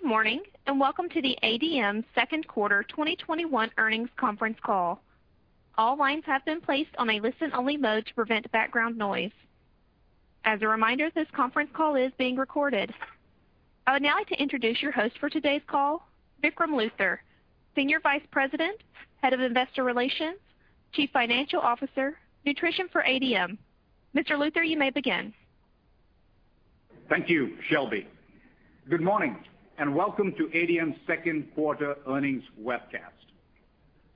Good morning, and welcome to the ADM second quarter 2021 earnings conference call. All lines have been placed on a listen-only mode to prevent background noise. As a reminder, this conference call is being recorded. I would now like to introduce your host for today's call, Vikram Luthar, Senior Vice President, Head of Investor Relations, Chief Financial Officer, Nutrition for ADM. Mr. Luthar, you may begin. Thank you, Shelby. Good morning. Welcome to ADM's second quarter earnings webcast.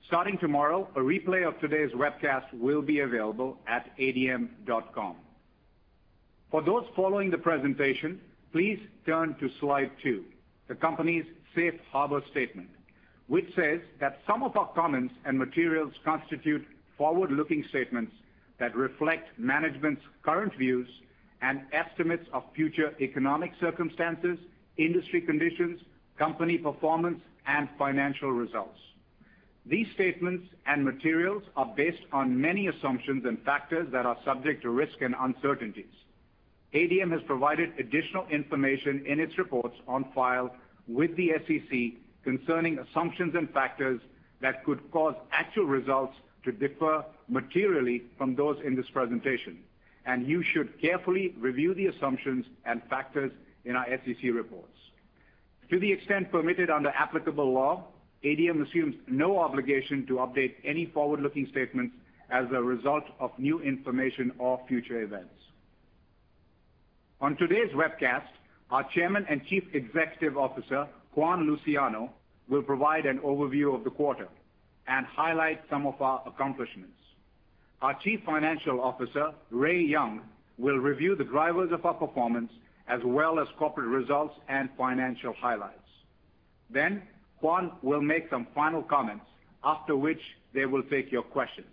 Starting tomorrow, a replay of today's webcast will be available at adm.com. For those following the presentation, please turn to Slide 2, the company's safe harbor statement, which says that some of our comments and materials constitute forward-looking statements that reflect management's current views and estimates of future economic circumstances, industry conditions, company performance, and financial results. These statements and materials are based on many assumptions and factors that are subject to risk and uncertainties. ADM has provided additional information in its reports on file with the SEC concerning assumptions and factors that could cause actual results to differ materially from those in this presentation. You should carefully review the assumptions and factors in our SEC reports. To the extent permitted under applicable law, ADM assumes no obligation to update any forward-looking statements as a result of new information or future events. On today's webcast, our Chairman and Chief Executive Officer, Juan Luciano, will provide an overview of the quarter and highlight some of our accomplishments. Our Chief Financial Officer, Ray Young, will review the drivers of our performance, as well as corporate results and financial highlights. Juan will make some final comments, after which they will take your questions.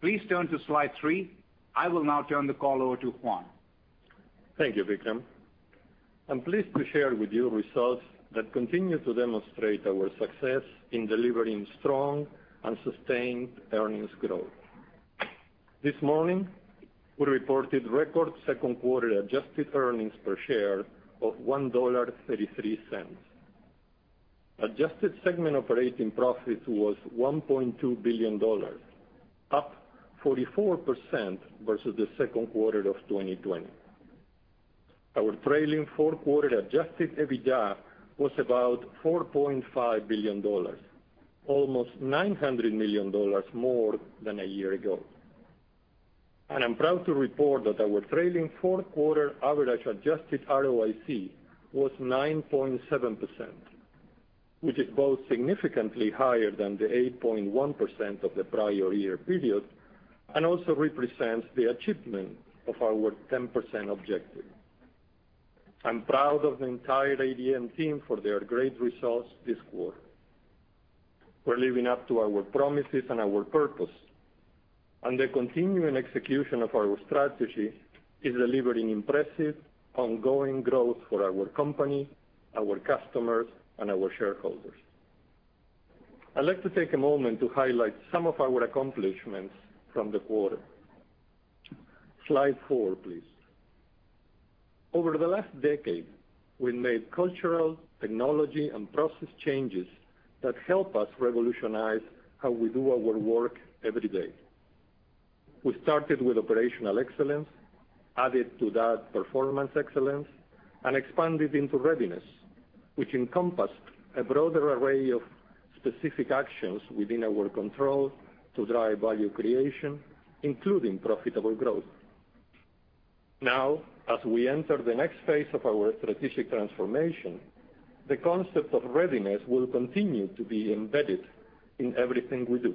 Please turn to Slide 3. I will now turn the call over to Juan. Thank you, Vikram. I'm pleased to share with you results that continue to demonstrate our success in delivering strong and sustained earnings growth. This morning, we reported record second-quarter adjusted earnings per share of $1.33. Adjusted segment operating profits was $1.2 billion, up 44% versus the second quarter of 2020. Our trailing four-quarter Adjusted EBITDA was about $4.5 billion, almost $900 million more than a year ago. I'm proud to report that our trailing four quarter average adjusted ROIC was 9.7%, which is both significantly higher than the 8.1% of the prior year period and also represents the achievement of our 10% objective. I'm proud of the entire ADM team for their great results this quarter. We're living up to our promises and our purpose. The continuing execution of our strategy is delivering impressive ongoing growth for our company, our customers, and our shareholders. I'd like to take a moment to highlight some of our accomplishments from the quarter. Slide 4, please. Over the last decade, we made cultural, technology, and process changes that help us revolutionize how we do our work every day. We started with Operational Excellence, added to that Performance Excellence, and expanded into Readiness, which encompassed a broader array of specific actions within our control to drive value creation, including profitable growth. Now, as we enter the next phase of our strategic transformation, the concept of Readiness will continue to be embedded in everything we do.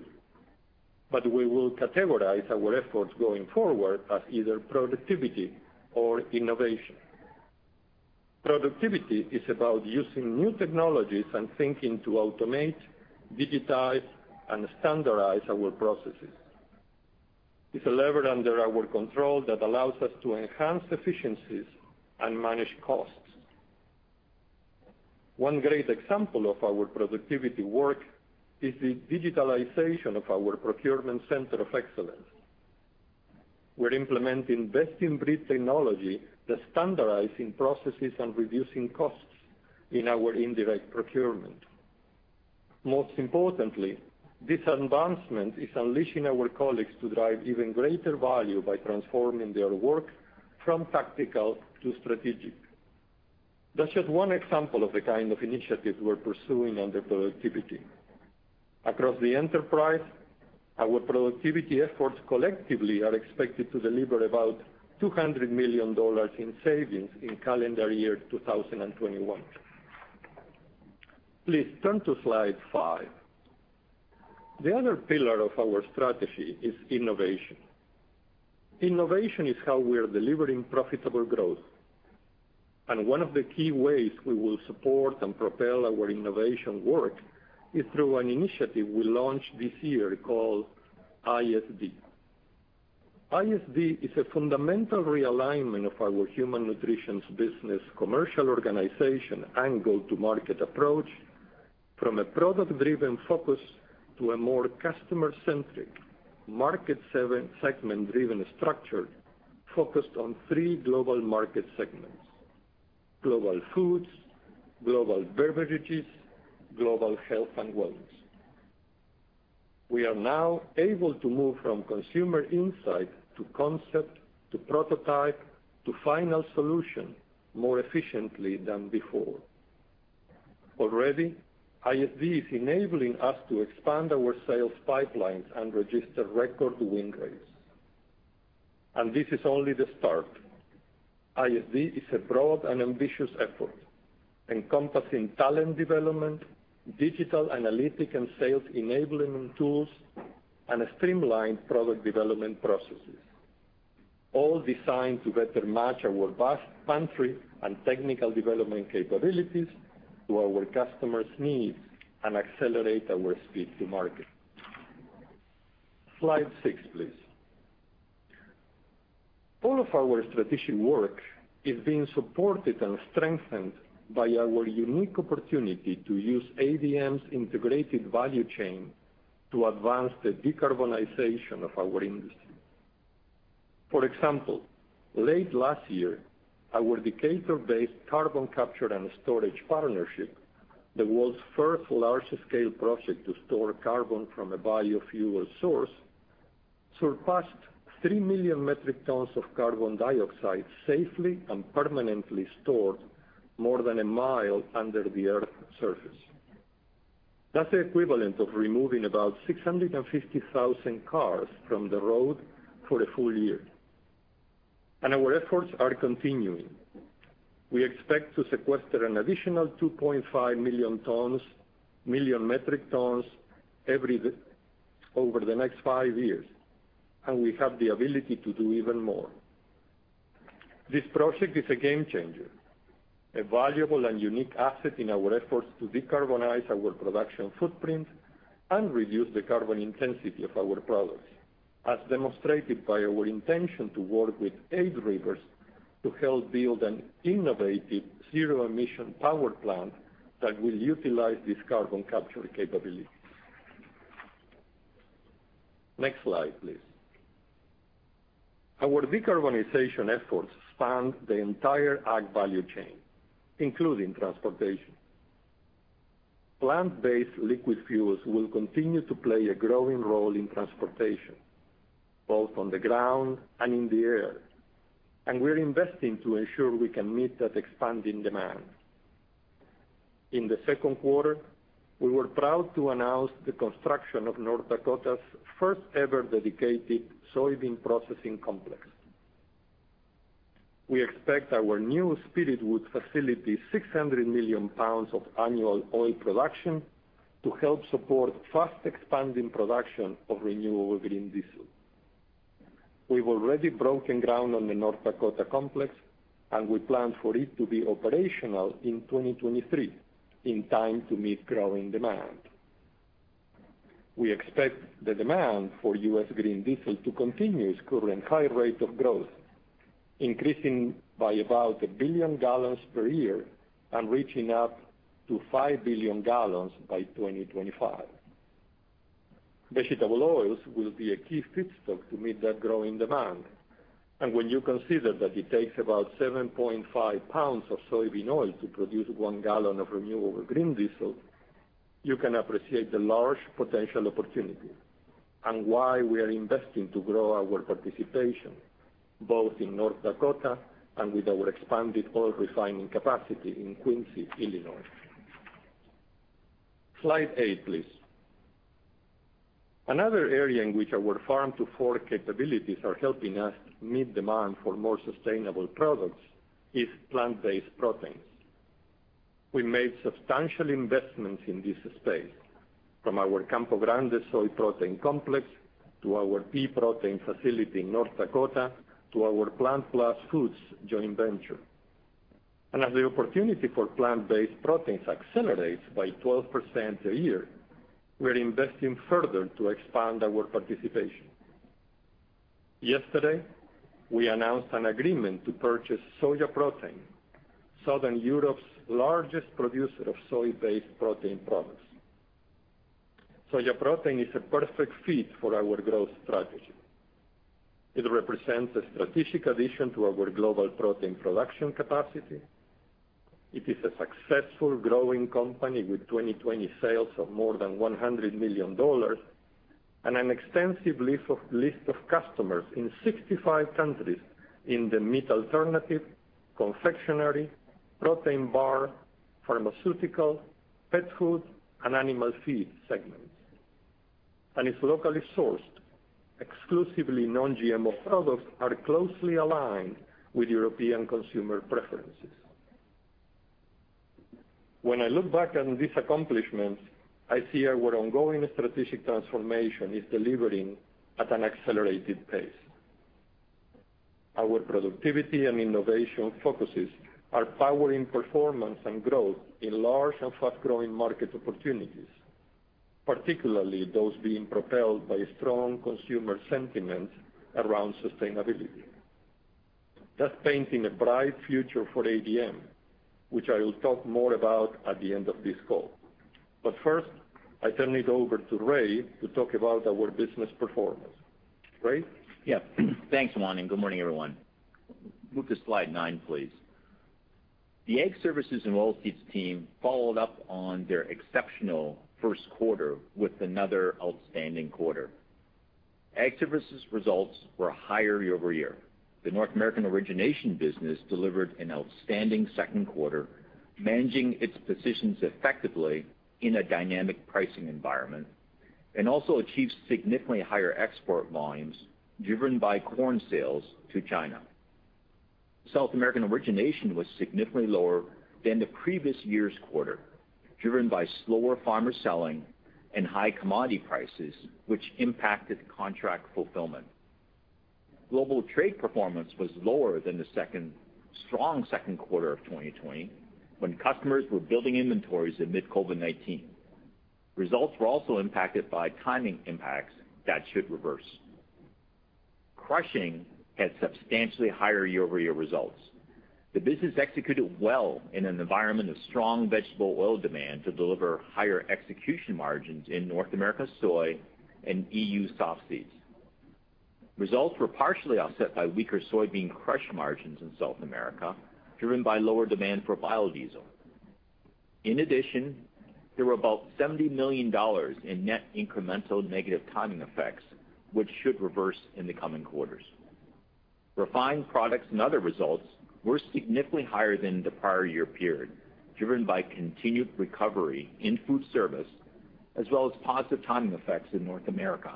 We will categorize our efforts going forward as either Productivity or Innovation. Productivity is about using new technologies and thinking to automate, digitize, and standardize our processes. It's a lever under our control that allows us to enhance efficiencies and manage costs. One great example of our productivity work is the digitalization of our procurement center of excellence. We're implementing best-in-breed technology that's standardizing processes and reducing costs in our indirect procurement. Most importantly, this advancement is unleashing our colleagues to drive even greater value by transforming their work from tactical to strategic. That's just one example of the kind of initiatives we're pursuing under productivity. Across the enterprise, our productivity efforts collectively are expected to deliver about $200 million in savings in calendar year 2021. Please turn to Slide 5. The other pillar of our strategy is innovation. Innovation is how we are delivering profitable growth, and one of the key ways we will support and propel our innovation work is through an initiative we launched this year called ISV. ISV is a fundamental realignment of our human Nutrition business commercial organization and go-to-market approach. From a product-driven focus to a more customer-centric market segment-driven structure focused on 3 global market segments: global foods, global beverages, global health and wellness. We are now able to move from consumer insight, to concept, to prototype, to final solution more efficiently than before. Already, ISV is enabling us to expand our sales pipelines and register record win rates. This is only the start. ISV is a broad and ambitious effort encompassing talent development, digital analytics and sales enablement tools, and streamlined product development processes, all designed to better match our vast pantry and technical development capabilities to our customers' needs and accelerate our speed to market. Slide 6, please. All of our strategic work is being supported and strengthened by our unique opportunity to use ADM's integrated value chain to advance the decarbonization of our industry. For example, late last year, our Decatur-based carbon capture and storage partnership, the world's first large-scale project to store carbon from a biofuel source, surpassed 3 million metric tons of carbon dioxide safely and permanently stored more than a mile under the Earth's surface. That's the equivalent of removing about 650,000 cars from the road for a full year. Our efforts are continuing. We expect to sequester an additional 2.5 million metric tons over the next 5 years. We have the ability to do even more. This project is a game changer, a valuable and unique asset in our efforts to decarbonize our production footprint and reduce the carbon intensity of our products, as demonstrated by our intention to work with 8 Rivers Capital to help build an innovative zero-emission power plant that will utilize this carbon capture capability. Next slide, please. Our decarbonization efforts span the entire ag value chain, including transportation. Plant-based liquid fuels will continue to play a growing role in transportation, both on the ground and in the air, and we're investing to ensure we can meet that expanding demand. In the second quarter, we were proud to announce the construction of North Dakota's first-ever dedicated soybean processing complex. We expect our new Spiritwood facility 600 million pounds of annual oil production to help support fast-expanding production of Renewable Diesel. We've already broken ground on the North Dakota complex, and we plan for it to be operational in 2023, in time to meet growing demand. We expect the demand for U.S. green diesel to continue its current high rate of growth, increasing by about 1 billion gallons per year and reaching up to 5 billion gallons by 2025. Vegetable oils will be a key feedstock to meet that growing demand. When you consider that it takes about 7.5 pounds of soybean oil to produce 1 gallon of renewable green diesel, you can appreciate the large potential opportunity and why we are investing to grow our participation both in North Dakota and with our expanded oil refining capacity in Quincy, Illinois. Slide 8, please. Another area in which our farm-to-fork capabilities are helping us meet demand for more sustainable products is plant-based proteins. We made substantial investments in this space, from our Campo Grande soy protein complex, to our pea protein facility in North Dakota, to our PlantPlus Foods joint venture. As the opportunity for plant-based proteins accelerates by 12% a year, we're investing further to expand our participation. Yesterday, we announced an agreement to purchase Sojaprotein, Southern Europe's largest producer of soy-based protein products. Sojaprotein is a perfect fit for our growth strategy. It represents a strategic addition to our global protein production capacity. It is a successful, growing company with 2020 sales of more than $100 million and an extensive list of customers in 65 countries in the meat alternative, confectionery, protein bar, pharmaceutical, pet food, and animal feed segments. Its locally sourced, exclusively non-GMO products are closely aligned with European consumer preferences. When I look back on these accomplishments, I see our ongoing strategic transformation is delivering at an accelerated pace. Our productivity and innovation focuses are powering performance and growth in large and fast-growing market opportunities, particularly those being propelled by strong consumer sentiment around sustainability. That's painting a bright future for ADM, which I will talk more about at the end of this call. First, I turn it over to Ray to talk about our business performance. Ray? Yeah. Thanks, Juan, and good morning, everyone. Move to slide 9, please. The Ag Services and Oilseeds team followed up on their exceptional 1st quarter with another outstanding quarter. Ag Services results were higher year-over-year. The North American origination business delivered an outstanding 2nd quarter, managing its positions effectively in a dynamic pricing environment, and also achieved significantly higher export volumes, driven by corn sales to China. South American origination was significantly lower than the previous year's quarter, driven by slower farmer selling and high commodity prices, which impacted contract fulfillment. Global trade performance was lower than the strong 2nd quarter of 2020, when customers were building inventories amid COVID-19. Results were also impacted by timing impacts that should reverse. Crushing had substantially higher year-over-year results. The business executed well in an environment of strong vegetable oil demand to deliver higher execution margins in North America Soy and EU softseeds. Results were partially offset by weaker soybean crush margins in South America, driven by lower demand for biodiesel. There were about $70 million in net incremental negative timing effects, which should reverse in the coming quarters. Refined products and other results were significantly higher than the prior year period, driven by continued recovery in food service, as well as positive timing effects in North America,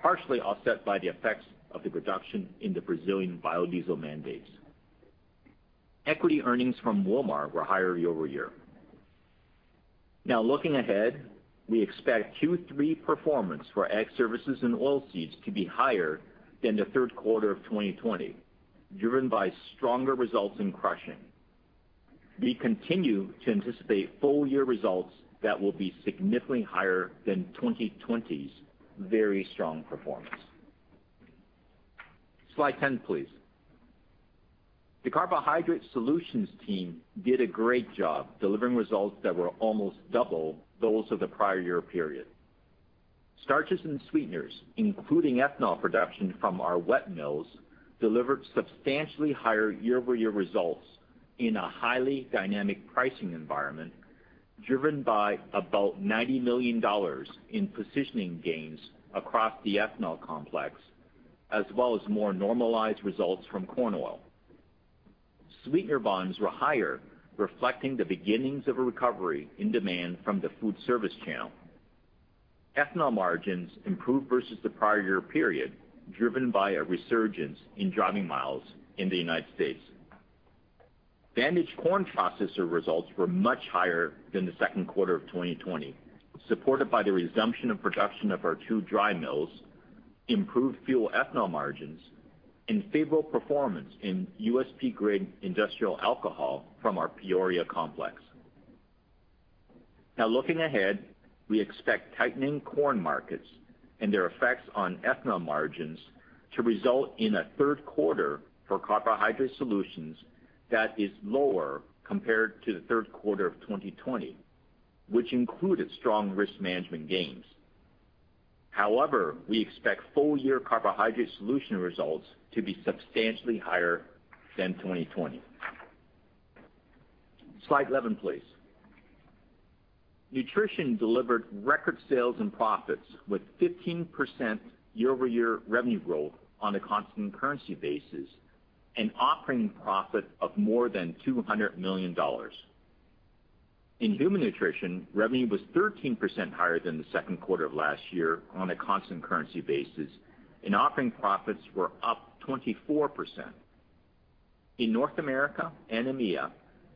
partially offset by the effects of the reduction in the Brazilian biodiesel mandates. Equity earnings from Wilmar were higher year-over-year. Looking ahead, we expect Q3 performance for Ag Services and Oilseeds to be higher than the third quarter of 2020, driven by stronger results in crushing. We continue to anticipate full year results that will be significantly higher than 2020's very strong performance. Slide 10, please. The Carbohydrate Solutions team did a great job delivering results that were almost double those of the prior year period. Starches and sweeteners, including ethanol production from our wet mills, delivered substantially higher year-over-year results in a highly dynamic pricing environment, driven by about $90 million in positioning gains across the ethanol complex, as well as more normalized results from corn oil. Sweetener volumes were higher, reflecting the beginnings of a recovery in demand from the food service channel. Ethanol margins improved versus the prior year period, driven by a resurgence in driving miles in the U.S. Vantage Corn Processors results were much higher than the second quarter of 2020, supported by the resumption of production of our 2 dry mills, improved fuel ethanol margins, and favorable performance in USP-grade industrial alcohol from our Peoria complex. Looking ahead, we expect tightening corn markets and their effects on ethanol margins to result in a third quarter for Carbohydrate Solutions that is lower compared to the third quarter of 2020, which included strong risk management gains. We expect full year Carbohydrate Solutions results to be substantially higher than 2020. Slide 11, please. Nutrition delivered record sales and profits with 15% year-over-year revenue growth on a constant currency basis, an operating profit of more than $200 million. In human nutrition, revenue was 13% higher than the second quarter of last year on a constant currency basis, and operating profits were up 24%. In North America and EMEA,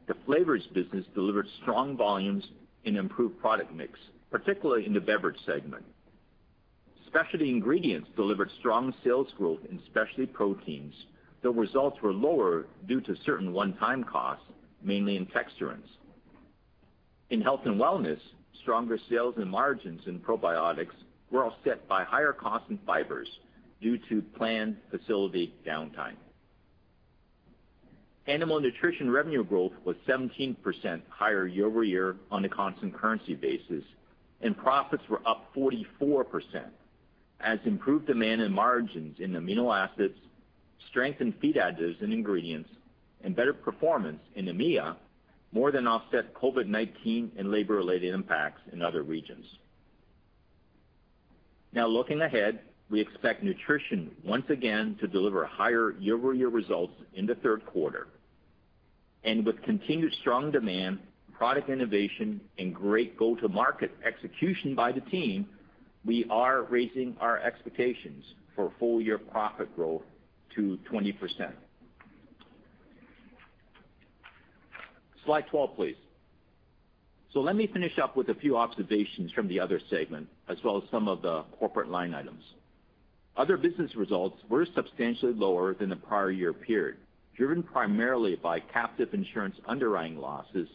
the flavors business delivered strong volumes and improved product mix, particularly in the beverage segment. Specialty ingredients delivered strong sales growth in specialty proteins, though results were lower due to certain one-time costs, mainly in texturants. In health and wellness, stronger sales and margins in probiotics were offset by higher costs in fibers due to planned facility downtime. Animal nutrition revenue growth was 17% higher year-over-year on a constant currency basis, and profits were up 44%, as improved demand and margins in amino acids strengthened feed additives and ingredients, and better performance in EMEA more than offset COVID-19 and labor-related impacts in other regions. Now looking ahead, we expect Nutrition once again to deliver higher year-over-year results in the third quarter. With continued strong demand, product innovation, and great go-to-market execution by the team, we are raising our expectations for full year profit growth to 20%. Slide 12, please. Let me finish up with a few observations from the other segment, as well as some of the corporate line items. Other business results were substantially lower than the prior year period, driven primarily by captive insurance underwriting losses,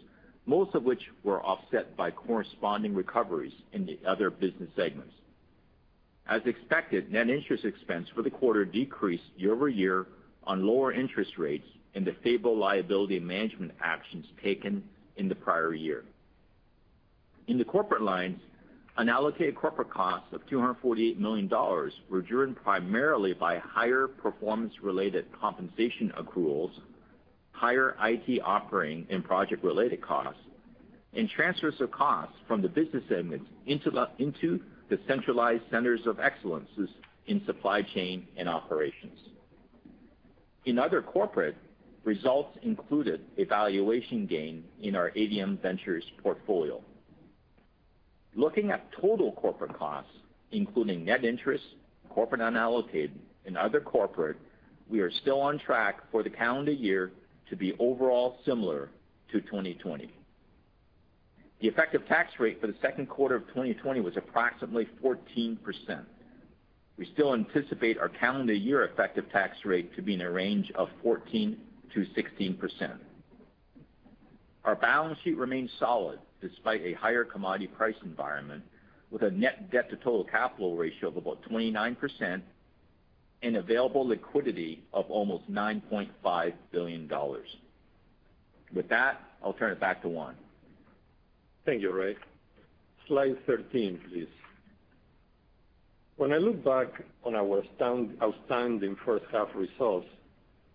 most of which were offset by corresponding recoveries in the other business segments. As expected, net interest expense for the quarter decreased year-over-year on lower interest rates and the stable liability management actions taken in the prior year. In the corporate lines, unallocated corporate costs of $248 million were driven primarily by higher performance-related compensation accruals, higher IT operating and project-related costs, and transfers of costs from the business segments into the centralized centers of excellences in supply chain and operations. In other corporate, results included a valuation gain in our ADM Ventures portfolio. Looking at total corporate costs, including net interest, corporate unallocated, and other corporate, we are still on track for the calendar year to be overall similar to 2020. The effective tax rate for the second quarter of 2020 was approximately 14%. We still anticipate our calendar year effective tax rate to be in a range of 14%-16%. Our balance sheet remains solid despite a higher commodity price environment with a net debt to total capital ratio of about 29% and available liquidity of almost $9.5 billion. With that, I'll turn it back to Juan. Thank you, Ray. Slide 13, please. When I look back on our outstanding first half results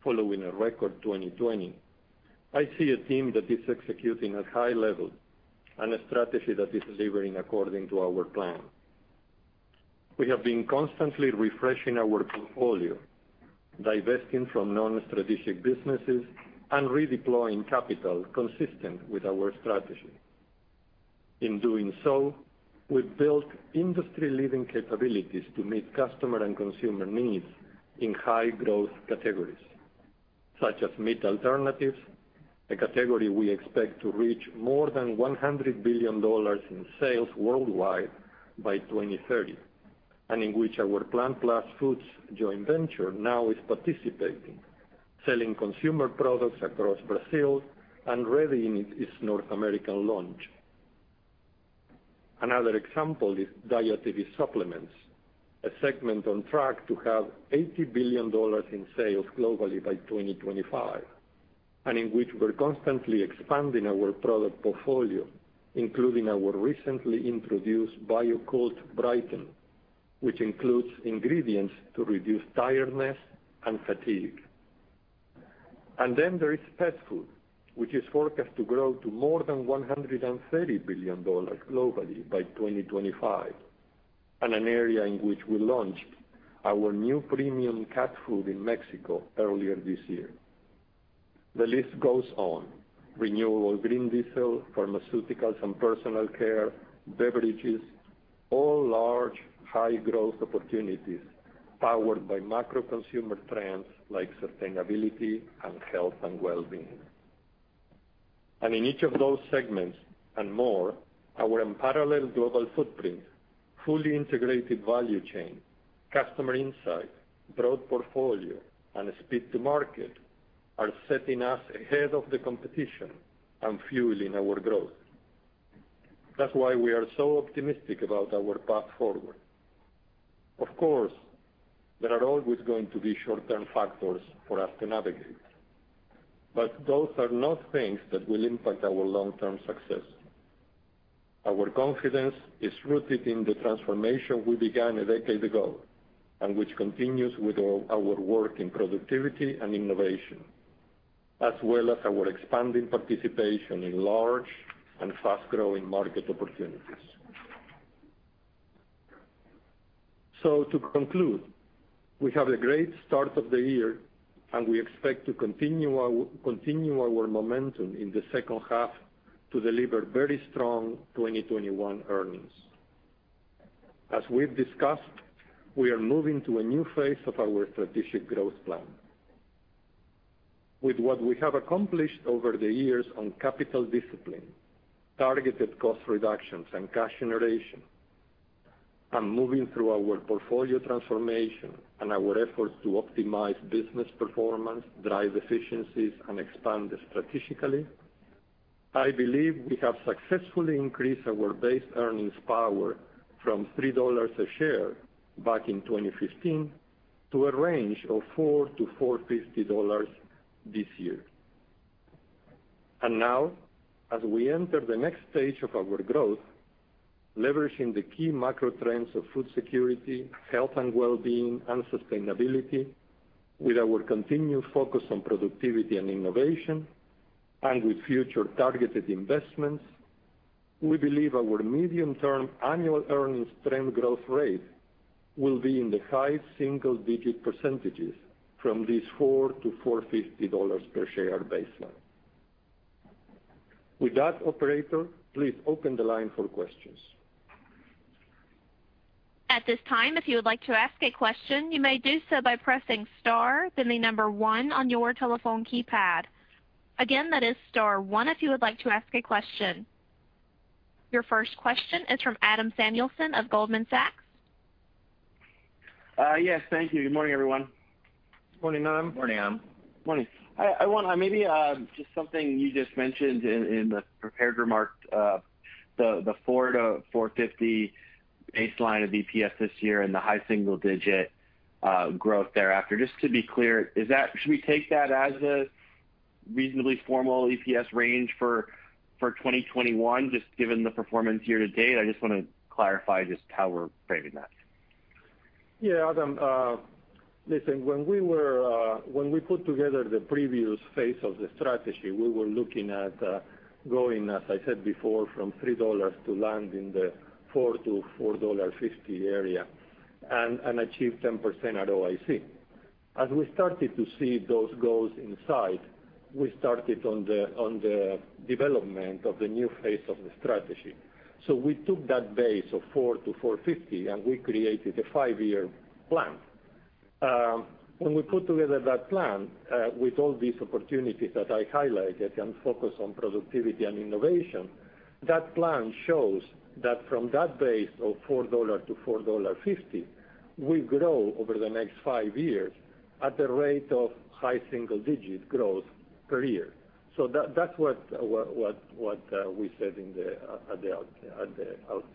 following a record 2020, I see a team that is executing at high level and a strategy that is delivering according to our plan. We have been constantly refreshing our portfolio, divesting from non-strategic businesses, and redeploying capital consistent with our strategy. In doing so, we've built industry-leading capabilities to meet customer and consumer needs in high-growth categories, such as meat alternatives, a category we expect to reach more than $100 billion in sales worldwide by 2030, and in which our PlantPlus Foods joint venture now is participating, selling consumer products across Brazil and readying its North American launch. Another example is dietary supplements, a segment on track to have $80 billion in sales globally by 2025. In which we're constantly expanding our product portfolio, including our recently introduced Bio-Kult Brighten, which includes ingredients to reduce tiredness and fatigue. There is pet food, which is forecast to grow to more than $130 billion globally by 2025, and an area in which we launched our new premium cat food in Mexico earlier this year. The list goes on. Renewable Diesel, pharmaceuticals and personal care, beverages, all large, high-growth opportunities powered by macro consumer trends like sustainability and health and wellbeing. In each of those segments and more, our unparalleled global footprint, fully integrated value chain, customer insight, broad portfolio, and speed to market are setting us ahead of the competition and fueling our growth. That's why we are so optimistic about our path forward. Of course, there are always going to be short-term factors for us to navigate, but those are not things that will impact our long-term success. Our confidence is rooted in the transformation we began a decade ago and which continues with our work in productivity and innovation, as well as our expanding participation in large and fast-growing market opportunities. To conclude, we have a great start of the year, and we expect to continue our momentum in the second half to deliver very strong 2021 earnings. As we've discussed, we are moving to a new phase of our strategic growth plan. With what we have accomplished over the years on capital discipline, targeted cost reductions, and cash generation, and moving through our work portfolio transformation and our efforts to optimize business performance, drive efficiencies, and expand strategically, I believe we have successfully increased our base earnings power from $3 a share back in 2015 to a range of $4-$4.50 this year. Now, as we enter the next stage of our growth, leveraging the key macro trends of food security, health and wellbeing, and sustainability with our continued focus on productivity and innovation, and with future targeted investments, we believe our medium-term annual earnings trend growth rate will be in the high single-digit % from this $4-$4.50 per share baseline. With that, operator, please open the line for questions. At this time, if you would like to ask a question, you may do so by pressing star then the number one on your telephone keypad. Again, that is star one if you would like to ask a question. Your first question is from Adam Samuelson of Goldman Sachs. Yes. Thank you. Good morning, everyone. Morning, Adam. Morning. Just something you just mentioned in the prepared remarks, the $4-$4.50 baseline of EPS this year and the high single-digit growth thereafter. Just to be clear, should we take that as a reasonably formal EPS range for 2021, just given the performance year to date? I just want to clarify just how we're framing that. Yeah, Adam. Listen, when we put together the previous phase of the strategy, we were looking at going, as I said before, from $3 to land in the $4-$4.50 area, and achieve 10% ROIC. As we started to see those goals in sight, we started on the development of the new phase of the strategy. We took that base of $4-$4.50, and we created a five-year plan. When we put together that plan, with all these opportunities that I highlighted and focused on productivity and innovation, that plan shows that from that base of $4-$4.50, we grow over the next five years at the rate of high single-digit growth per year. That's what we said at the outset.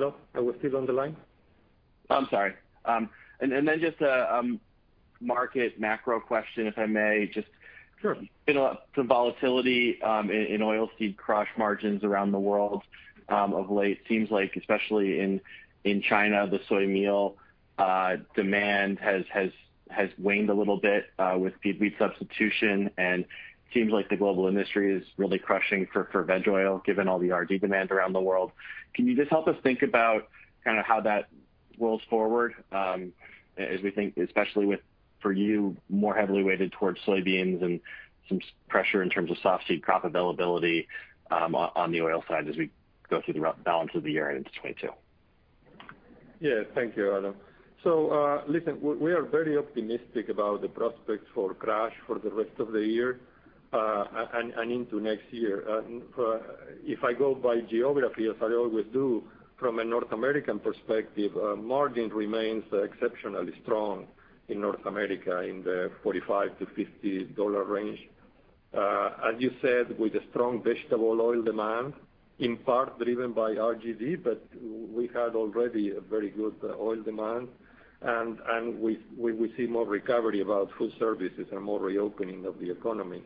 Hello? Are we still on the line? I'm sorry. Then just a market macro question, if I may. Sure been some volatility in oilseed crush margins around the world of late. Seems like, especially in China, the soy meal demand has waned a little bit with feed wheat substitution and seems like the global industry is really crushing for veg oil, given all the RD demand around the world. Can you just help us think about how that rolls forward as we think, especially with, for you, more heavily weighted towards soybeans and some pressure in terms of soft seed crop availability on the oil side as we go through the balance of the year and into 2022? Thank you, Adam. Listen, we are very optimistic about the prospects for crush for the rest of the year and into next year. If I go by geography as I always do, from a North American perspective, margin remains exceptionally strong in North America in the $45-$50 range. As you said, with a strong vegetable oil demand, in part driven by RD, we had already a very good oil demand, we see more recovery about food services and more reopening of the economy.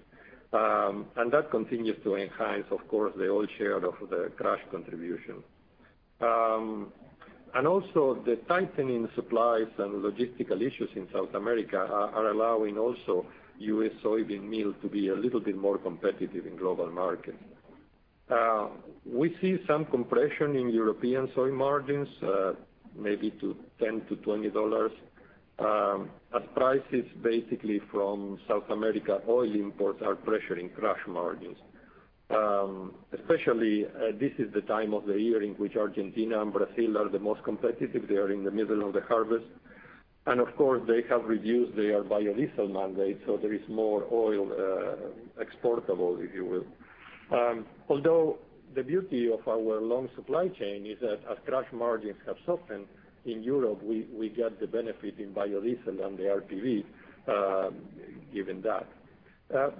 That continues to enhance, of course, the oil share of the crush contribution. Also, the tightening supplies and logistical issues in South America are allowing also U.S. soybean meal to be a little bit more competitive in global markets. We see some compression in European soy margins, maybe to $10-$20, as prices basically from South America oil imports are pressuring crush margins. Especially, this is the time of the year in which Argentina and Brazil are the most competitive. They are in the middle of the harvest. Of course, they have reduced their biodiesel mandate. There is more oil exportable, if you will. Although the beauty of our long supply chain is that as crush margins have softened in Europe, we get the benefit in biodiesel and the RPO, given that.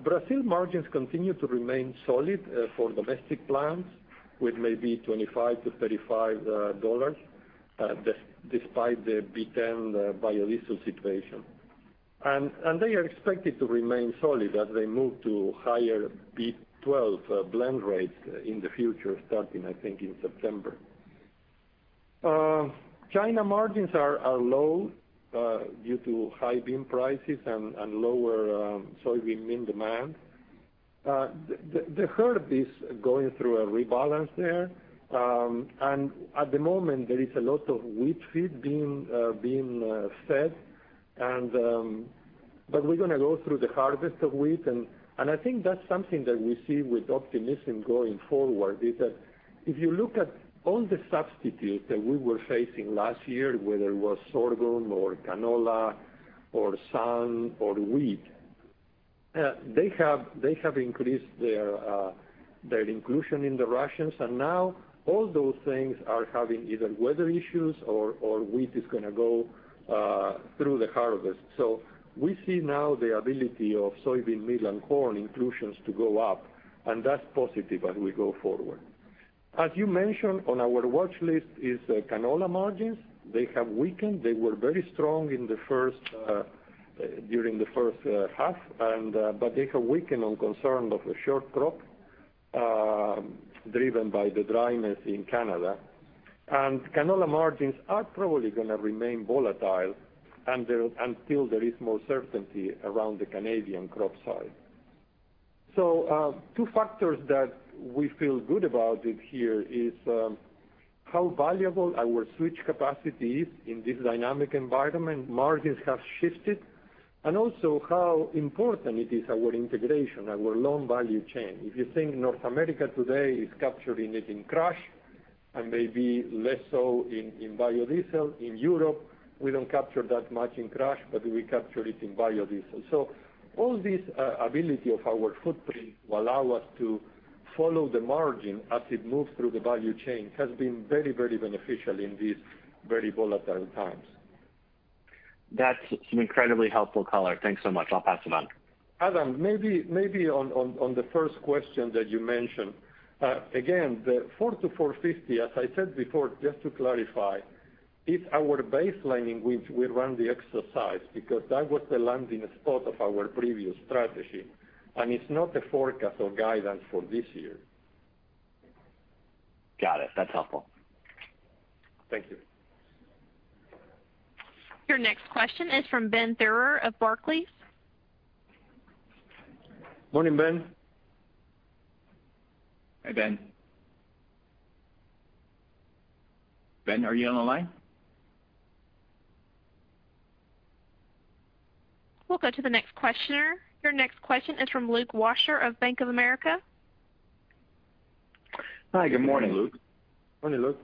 Brazil margins continue to remain solid for domestic plants with maybe $25-$35, despite the B10 biodiesel situation. They are expected to remain solid as they move to higher B12 blend rates in the future, starting, I think, in September. China margins are low due to high bean prices and lower soybean meal demand. The herd is going through a rebalance there, and at the moment, there is a lot of wheat feed being fed. We're going to go through the harvest of wheat, and I think that's something that we see with optimism going forward, is that if you look at all the substitutes that we were facing last year, whether it was sorghum or canola or sun or wheat, they have increased their inclusion in the rations. Now all those things are having either weather issues or wheat is going to go through the harvest. We see now the ability of soybean meal and corn inclusions to go up, and that's positive as we go forward. As you mentioned, on our watch list is canola margins. They have weakened. They were very strong during the first half. They have weakened on concern of a short crop driven by the dryness in Canada. Canola margins are probably going to remain volatile until there is more certainty around the Canadian crop size. Two factors that we feel good about it here is how valuable our switch capacity is in this dynamic environment. Margins have shifted. Also how important it is, our integration, our long value chain. If you think North America today is capturing it in crush and maybe less so in biodiesel. In Europe, we don't capture that much in crush, but we capture it in biodiesel. All this ability of our footprint will allow us to follow the margin as it moves through the value chain, has been very, very beneficial in these very volatile times. That's an incredibly helpful color. Thanks so much. I'll pass it on. Adam, maybe on the first question that you mentioned. Again, the $4-$4.50, as I said before, just to clarify, is our baselining which we run the exercise, because that was the landing spot of our previous strategy, and it's not a forecast or guidance for this year. Got it. That's helpful. Thank you. Your next question is from Ben Theurer of Barclays. Morning, Ben. Hi, Ben. Ben, are you on the line? We'll go to the next questioner. Your next question is from Luke Washer of Bank of America. Hi, good morning. Good morning, Luke. Morning, Luke.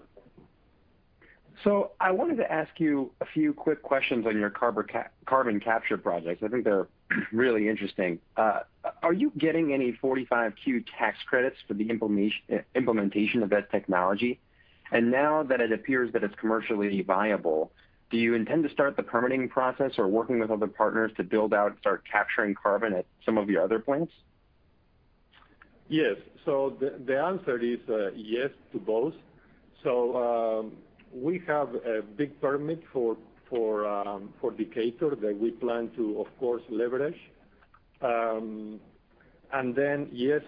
I wanted to ask you a few quick questions on your carbon capture projects. I think they're really interesting. Are you getting any 45Q tax credits for the implementation of that technology? Now that it appears that it's commercially viable, do you intend to start the permitting process or working with other partners to build out and start capturing carbon at some of your other plants? Yes. The answer is yes to both. We have a big permit for Decatur that we plan to, of course, leverage. Yes,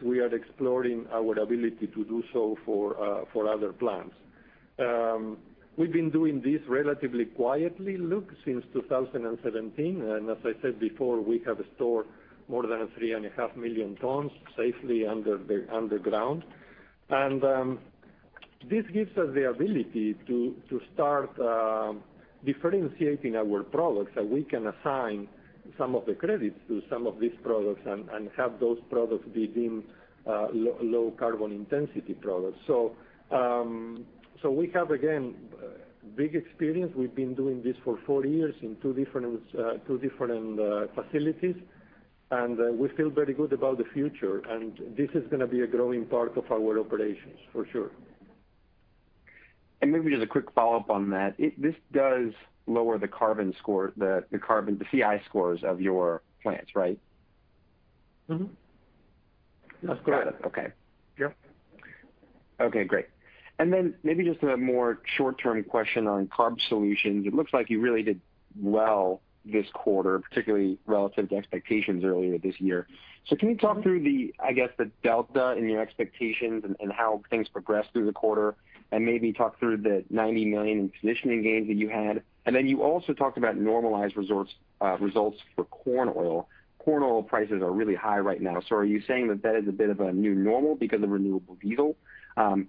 we are exploring our ability to do so for other plants. We've been doing this relatively quietly, Luke, since 2017, and as I said before, we have stored more than 3.5 million tons safely underground. This gives us the ability to start differentiating our products, that we can assign some of the credits to some of these products and have those products be deemed low carbon intensity products. We have, again, big experience. We've been doing this for 4 years in 2 different facilities, and we feel very good about the future. This is going to be a growing part of our operations, for sure. Maybe just a quick follow-up on that. This does lower the carbon score, the CI scores of your plants, right? Mm-hmm. Yes. Got it. Okay. Yep. Okay, great. Maybe just a more short-term question on Carbohydrate Solutions. It looks like you really did well this quarter, particularly relative to expectations earlier this year. Can you talk through the, I guess, the delta in your expectations and how things progressed through the quarter, and maybe talk through the $90 million in positioning gains that you had. You also talked about normalized results for corn oil. Corn oil prices are really high right now. Are you saying that that is a bit of a new normal because of Renewable Diesel?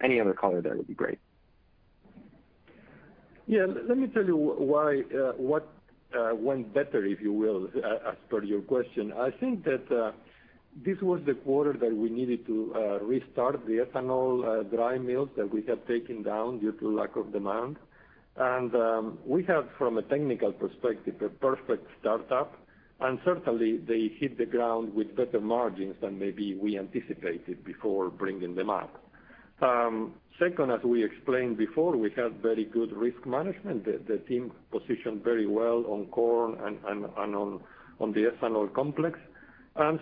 Any other color there would be great. Yeah, let me tell you what went better, if you will, as per your question. I think that this was the quarter that we needed to restart the ethanol dry mills that we had taken down due to lack of demand. We have, from a technical perspective, a perfect startup, and certainly they hit the ground with better margins than maybe we anticipated before bringing them up. Second, as we explained before, we have very good risk management. The team positioned very well on corn and on the ethanol complex.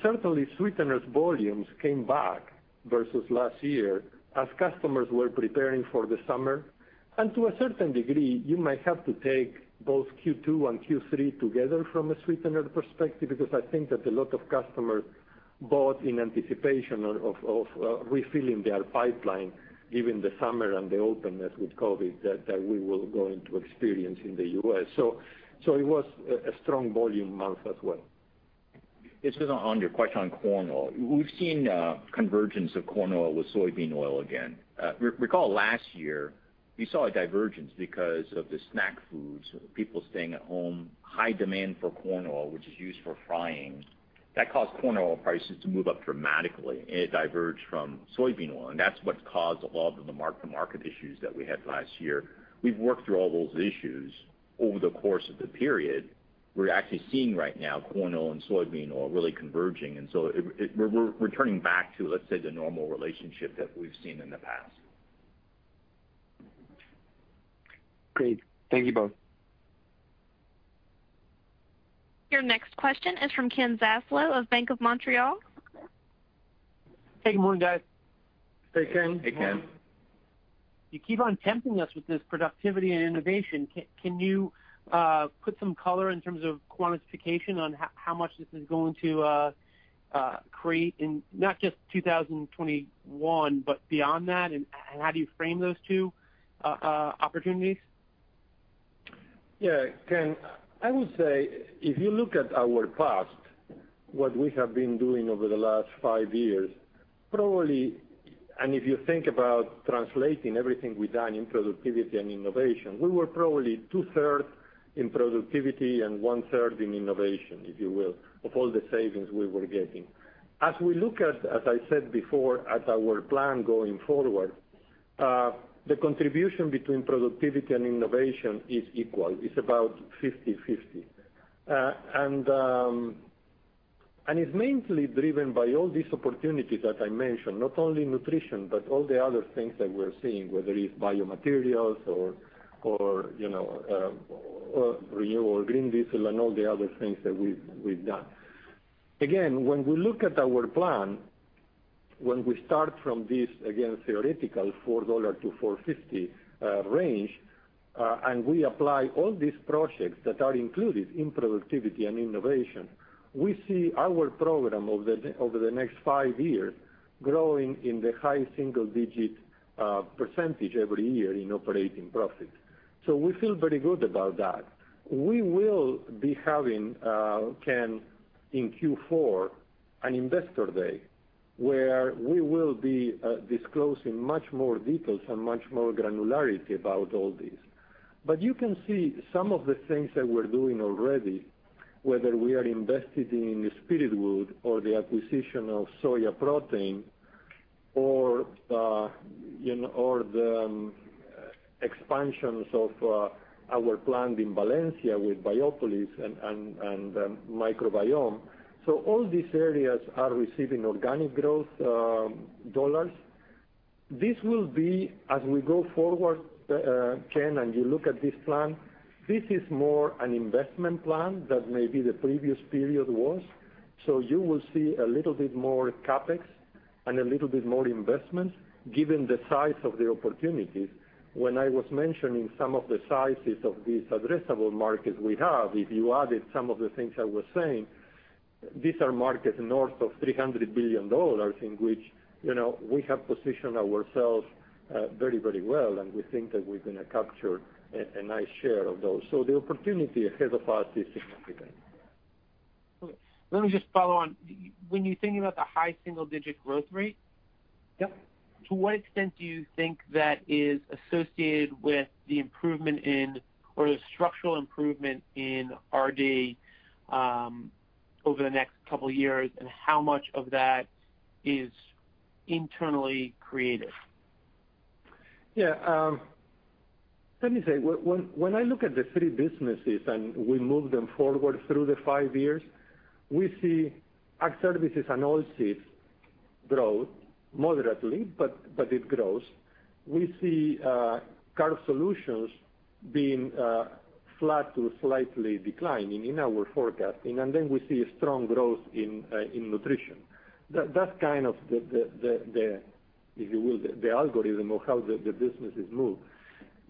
Certainly sweeteners volumes came back versus last year as customers were preparing for the summer. To a certain degree, you might have to take both Q2 and Q3 together from a sweetener perspective, because I think that a lot of customers bought in anticipation of refilling their pipeline given the summer and the openness with COVID that we will experience in the U.S. It was a strong volume month as well. This is on your question on corn oil. We've seen a convergence of corn oil with soybean oil again. Recall last year, we saw a divergence because of the snack foods, people staying at home, high demand for corn oil, which is used for frying. That caused corn oil prices to move up dramatically, and it diverged from soybean oil, and that's what caused a lot of the mark-to-market issues that we had last year. We've worked through all those issues over the course of the period. We're actually seeing right now corn oil and soybean oil really converging, and so we're returning back to, let's say, the normal relationship that we've seen in the past. Great. Thank you both. Your next question is from Ken Zaslow of Bank of Montreal. Hey, good morning, guys. Hey, Ken. Hey, Ken. You keep on tempting us with this productivity and innovation. Can you put some color in terms of quantification on how much this is going to create in not just 2021, but beyond that, and how do you frame those two opportunities? Yeah, Ken, I would say if you look at our past, what we have been doing over the last five years, probably, and if you think about translating everything we've done in productivity and innovation, we were probably two-thirds in productivity and one-third in innovation, if you will, of all the savings we were getting. As we look at, as I said before, at our plan going forward. The contribution between productivity and innovation is equal. It's about 50/50. It's mainly driven by all these opportunities that I mentioned, not only Nutrition, but all the other things that we're seeing, whether it's biomaterials or renewable green diesel and all the other things that we've done. When we look at our plan, when we start from this, again, theoretical $4-$4.50 range, we apply all these projects that are included in productivity and innovation, we see our program over the next five years growing in the high single-digit % every year in operating profits. We feel very good about that. We will be having, Ken, in Q4, an investor day where we will be disclosing much more details and much more granularity about all this. You can see some of the things that we're doing already, whether we are invested in Spiritwood or the acquisition of Sojaprotein or the expansions of our plant in Valencia with Biopolis and microbiome. All these areas are receiving organic growth dollars. This will be, as we go forward, Ken, and you look at this plan, this is more an investment plan than maybe the previous period was. You will see a little bit more CapEx and a little bit more investment given the size of the opportunities. When I was mentioning some of the sizes of these addressable markets we have, if you added some of the things I was saying, these are markets north of $300 billion in which we have positioned ourselves very well, and we think that we're going to capture a nice share of those. The opportunity ahead of us is significant. Okay. Let me just follow on. When you're thinking about the high single-digit growth rate- Yep to what extent do you think that is associated with the improvement in, or the structural improvement in RD over the next couple of years, and how much of that is internally created? Let me say, when I look at the three businesses and we move them forward through the 5 years, we see Ag Services and Oilseeds grow moderately, but it grows. We see Carbohydrate Solutions being flat to slightly declining in our forecasting, and then we see a strong growth in Nutrition. That's kind of the, if you will, the algorithm of how the businesses move.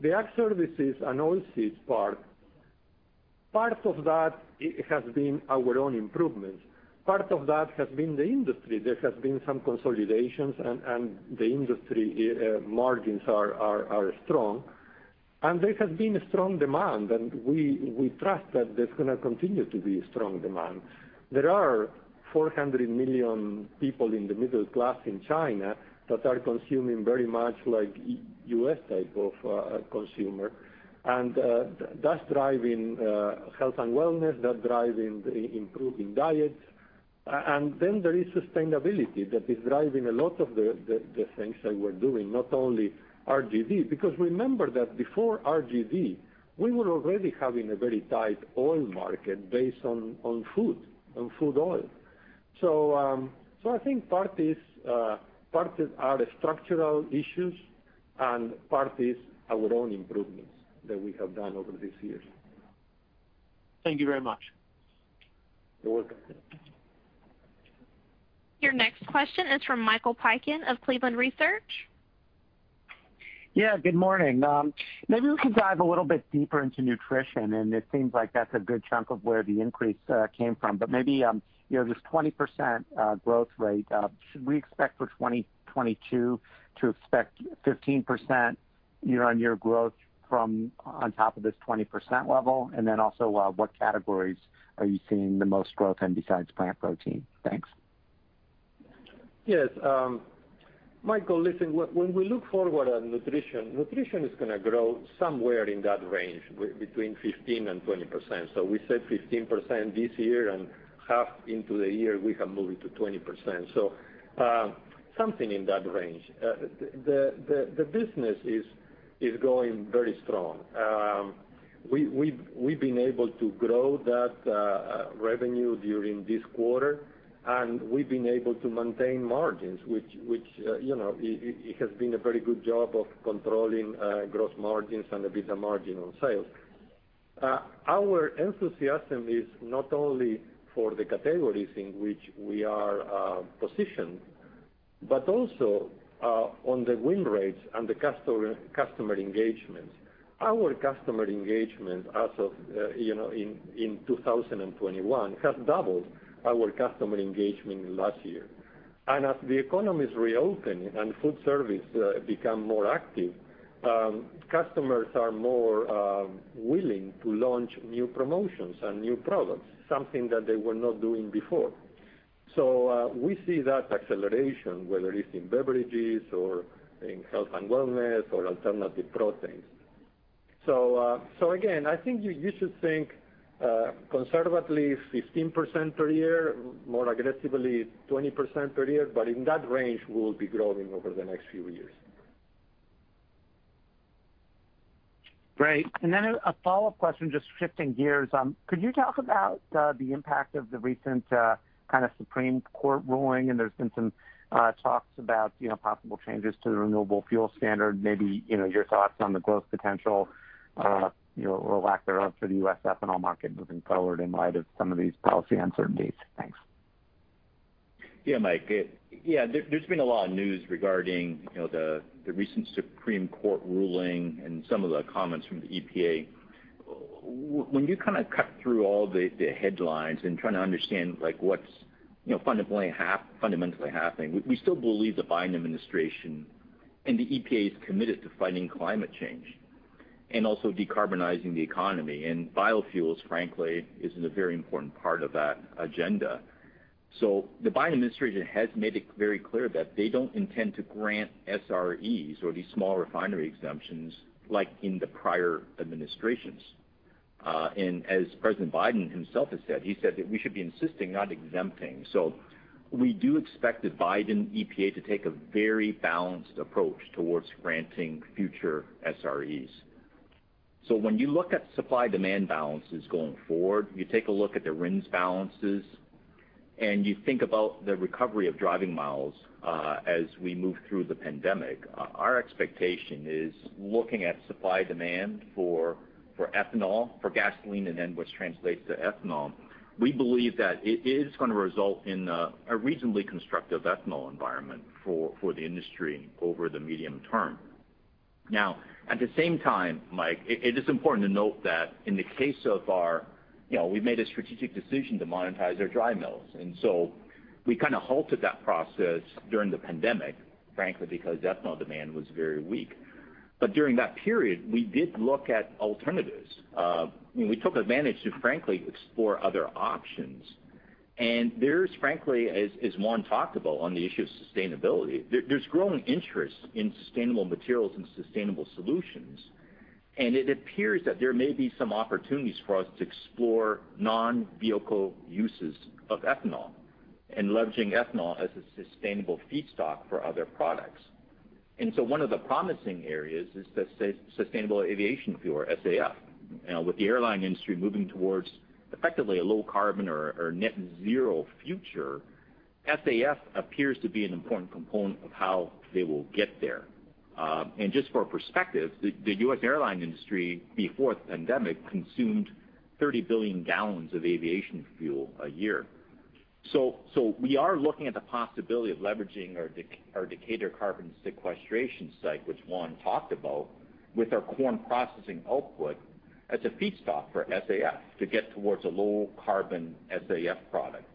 The Ag Services and Oilseeds part of that has been our own improvements. Part of that has been the industry. There has been some consolidations, and the industry margins are strong. There has been strong demand, and we trust that there's going to continue to be strong demand. There are 400 million people in the middle class in China that are consuming very much like U.S. type of consumer. That's driving health and wellness, that's driving the improving diets. There is sustainability that is driving a lot of the things that we're doing, not only RGV. Remember that before RGV, we were already having a very tight oil market based on food oil. I think part are the structural issues, and part is our own improvements that we have done over these years. Thank you very much. You're welcome. Your next question is from Michael Piken of Cleveland Research. Yeah, good morning. Maybe we could dive a little bit deeper into Nutrition. It seems like that's a good chunk of where the increase came from. Maybe this 20% growth rate, should we expect for 2022 to expect 15% year-over-year growth from on top of this 20% level? Also what categories are you seeing the most growth in besides plant protein? Thanks. Yes. Michael, listen, when we look forward at Nutrition is going to grow somewhere in that range, between 15%-20%. We said 15% this year, and half into the year, we have moved to 20%. Something in that range. The business is going very strong. We've been able to grow that revenue during this quarter, and we've been able to maintain margins, which it has been a very good job of controlling gross margins and EBITDA margin on sales. Our enthusiasm is not only for the categories in which we are positioned, but also on the win rates and the customer engagements. Our customer engagement as of in 2021 has doubled our customer engagement last year. As the economies reopen and food service become more active, customers are more willing to launch new promotions and new products, something that they were not doing before. We see that acceleration, whether it's in beverages or in health and wellness or alternative proteins. Again, I think you should think conservatively 15% per year, more aggressively 20% per year. In that range, we'll be growing over the next few years. Great. A follow-up question, just shifting gears. Could you talk about the impact of the recent kind of Supreme Court ruling? There's been some talks about possible changes to the Renewable Fuel Standard, maybe your thoughts on the growth potential, or lack thereof for the U.S. ethanol market moving forward in light of some of these policy uncertainties. Thanks. Mike. There's been a lot of news regarding the recent Supreme Court ruling and some of the comments from the EPA. When you kind of cut through all the headlines and try to understand what's fundamentally happening, we still believe the Biden administration and the EPA is committed to fighting climate change and also decarbonizing the economy, and biofuels, frankly, is a very important part of that agenda. The Biden administration has made it very clear that they don't intend to grant SREs, or these Small Refinery Exemptions, like in the prior administrations. As President Biden himself has said, he said that we should be insisting, not exempting. We do expect the Biden EPA to take a very balanced approach towards granting future SREs. When you look at supply-demand balances going forward, you take a look at the RINS balances, and you think about the recovery of driving miles as we move through the pandemic, our expectation is looking at supply-demand for ethanol, for gasoline, and then which translates to ethanol. We believe that it is going to result in a reasonably constructive ethanol environment for the industry over the medium term. At the same time, Mike, it is important to note that in the case of we made a strategic decision to monetize our dry mills, and so we kind of halted that process during the pandemic, frankly, because ethanol demand was very weak. During that period, we did look at alternatives. We took advantage to frankly explore other options. There's frankly, as Juan talked about on the issue of sustainability, there's growing interest in sustainable materials and sustainable solutions, and it appears that there may be some opportunities for us to explore non-vehicle uses of ethanol and leveraging ethanol as a sustainable feedstock for other products. One of the promising areas is the sustainable aviation fuel, SAF. With the airline industry moving towards effectively a low carbon or net zero future, SAF appears to be an important component of how they will get there. Just for perspective, the U.S. airline industry before the pandemic consumed 30 billion gallons of aviation fuel a year. We are looking at the possibility of leveraging our Decatur carbon sequestration site, which Juan talked about, with our corn processing output as a feedstock for SAF to get towards a low carbon SAF product.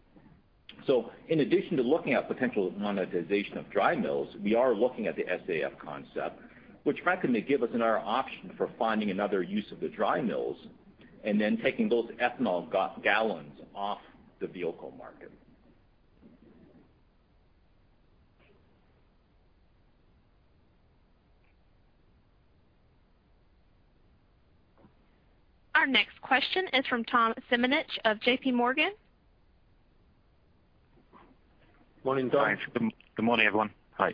In addition to looking at potential monetization of dry mills, we are looking at the SAF concept, which frankly may give us another option for finding another use of the dry mills and then taking those ethanol gallons off the vehicle market. Our next question is from Tom Simonitsch of JPMorgan. Morning, Tom. Good morning, everyone. Hi.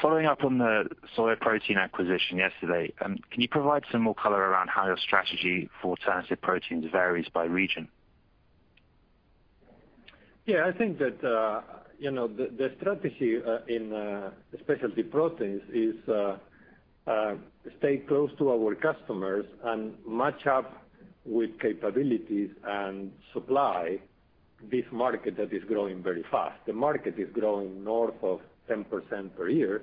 Following up on the Sojaprotein acquisition yesterday, can you provide some more color around how your strategy for alternative proteins varies by region? Yeah, I think that the strategy in specialty proteins is stay close to our customers and match up with capabilities and supply this market that is growing very fast. The market is growing north of 10% per year.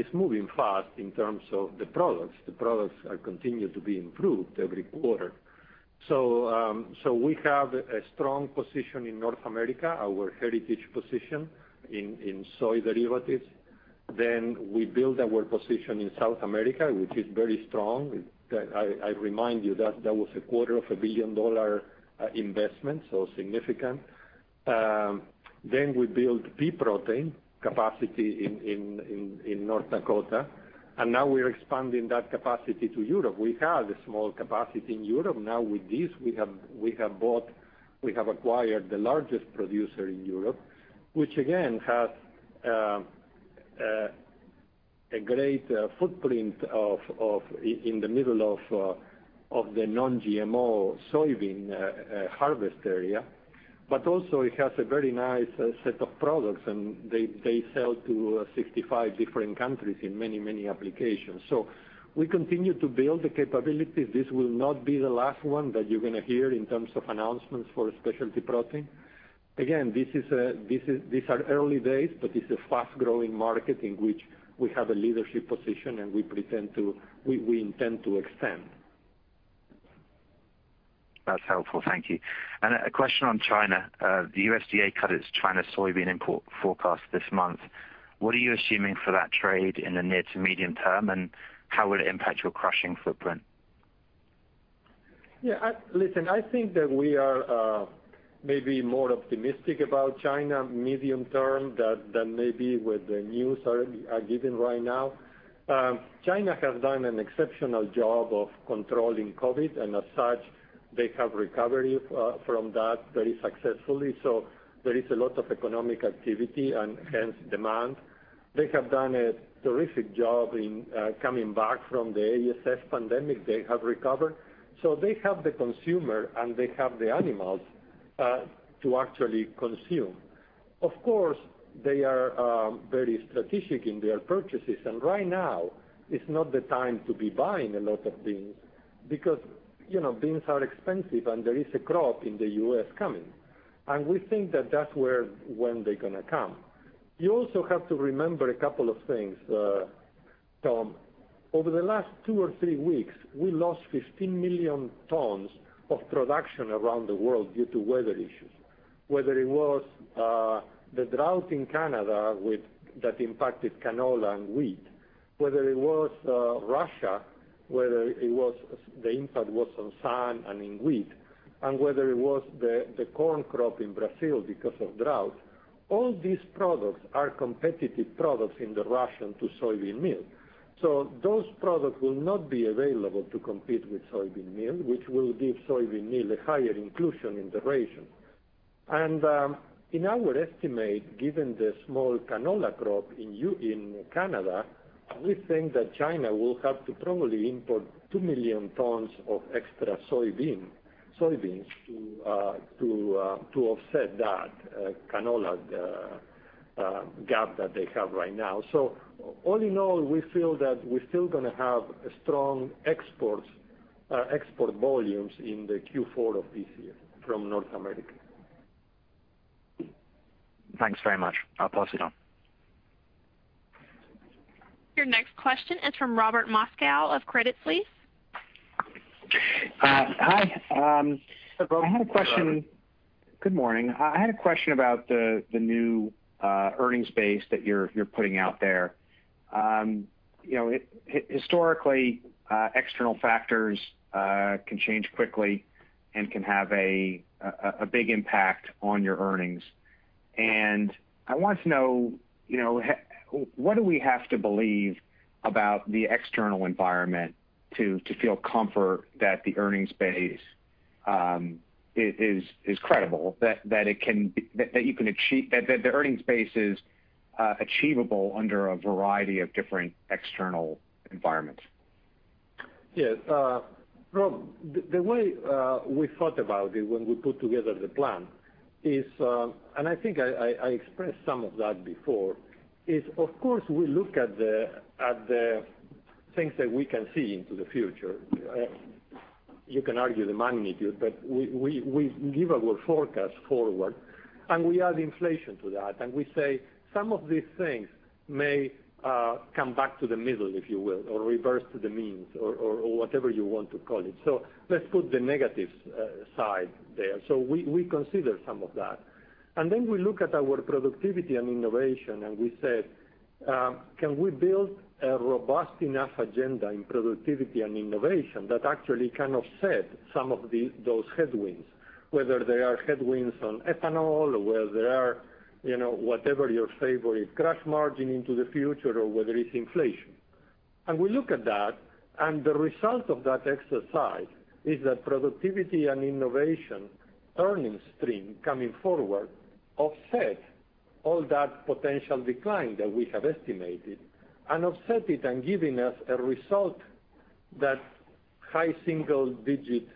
It's moving fast in terms of the products. The products are continuing to be improved every quarter. We have a strong position in North America, our heritage position in soy derivatives. We build our position in South America, which is very strong. I remind you that was a quarter of a billion-dollar investment, so significant. We build pea protein capacity in North Dakota, and now we're expanding that capacity to Europe. We had a small capacity in Europe. Now with this, we have acquired the largest producer in Europe, which again, has a great footprint in the middle of the non-GMO soybean harvest area. Also it has a very nice set of products, and they sell to 65 different countries in many applications. So we continue to build the capabilities. This will not be the last one that you're going to hear in terms of announcements for specialty protein. Again, these are early days, but it's a fast-growing market in which we have a leadership position, and we intend to expand. That's helpful. Thank you. A question on China. The USDA cut its China soybean import forecast this month. What are you assuming for that trade in the near to medium term, and how will it impact your crushing footprint? Yeah. Listen, I think that we are maybe more optimistic about China medium term than maybe what the news are giving right now. China has done an exceptional job of controlling COVID, as such, they have recovered from that very successfully. There is a lot of economic activity and, hence, demand. They have done a terrific job in coming back from the ASF pandemic. They have recovered. They have the consumer, and they have the animals to actually consume. Of course, they are very strategic in their purchases. Right now is not the time to be buying a lot of beans because beans are expensive and there is a crop in the U.S. coming. We think that that's when they're going to come. You also have to remember a couple of things, Tom. Over the last 2 or 3 weeks, we lost 15 million tons of production around the world due to weather issues. Whether it was the drought in Canada that impacted canola and wheat, whether it was Russia, whether the impact was on sun and in wheat, whether it was the corn crop in Brazil because of drought. All these products are competitive products in the ration to soybean meal. Those products will not be available to compete with soybean meal, which will give soybean meal a higher inclusion in the ration. In our estimate, given the small canola crop in Canada, we think that China will have to probably import 2 million tons of extra soybeans to offset that canola gap that they have right now. All in all, we feel that we're still going to have strong export volumes in the Q4 of this year from North America. Thanks very much. I'll pass it on. Your next question is from Robert Moskow of Credit Suisse. Hi. Hey, Rob. What's up? Good morning. I had a question about the new earnings base that you're putting out there. Historically, external factors can change quickly and can have a big impact on your earnings. I want to know, what do we have to believe about the external environment to feel comfort that the earnings base is credible, that the earnings base is achievable under a variety of different external environments? Yeah. Rob, the way we thought about it when we put together the plan is, I think I expressed some of that before, is of course, we look at the things that we can see into the future. You can argue the magnitude, we give our forecast forward, we add inflation to that. We say some of these things may come back to the middle, if you will, or reverse to the means or whatever you want to call it. Let's put the negatives side there. We consider some of that. Then we look at our productivity and innovation, and we said, "Can we build a robust enough agenda in productivity and innovation that actually kind of set some of those headwinds?" Whether they are headwinds on ethanol or whether they are whatever your favorite crush margin into the future or whether it's inflation. We look at that, and the result of that exercise is that productivity and innovation earnings stream coming forward offset all that potential decline that we have estimated and offset it and giving us a result, that high single-digit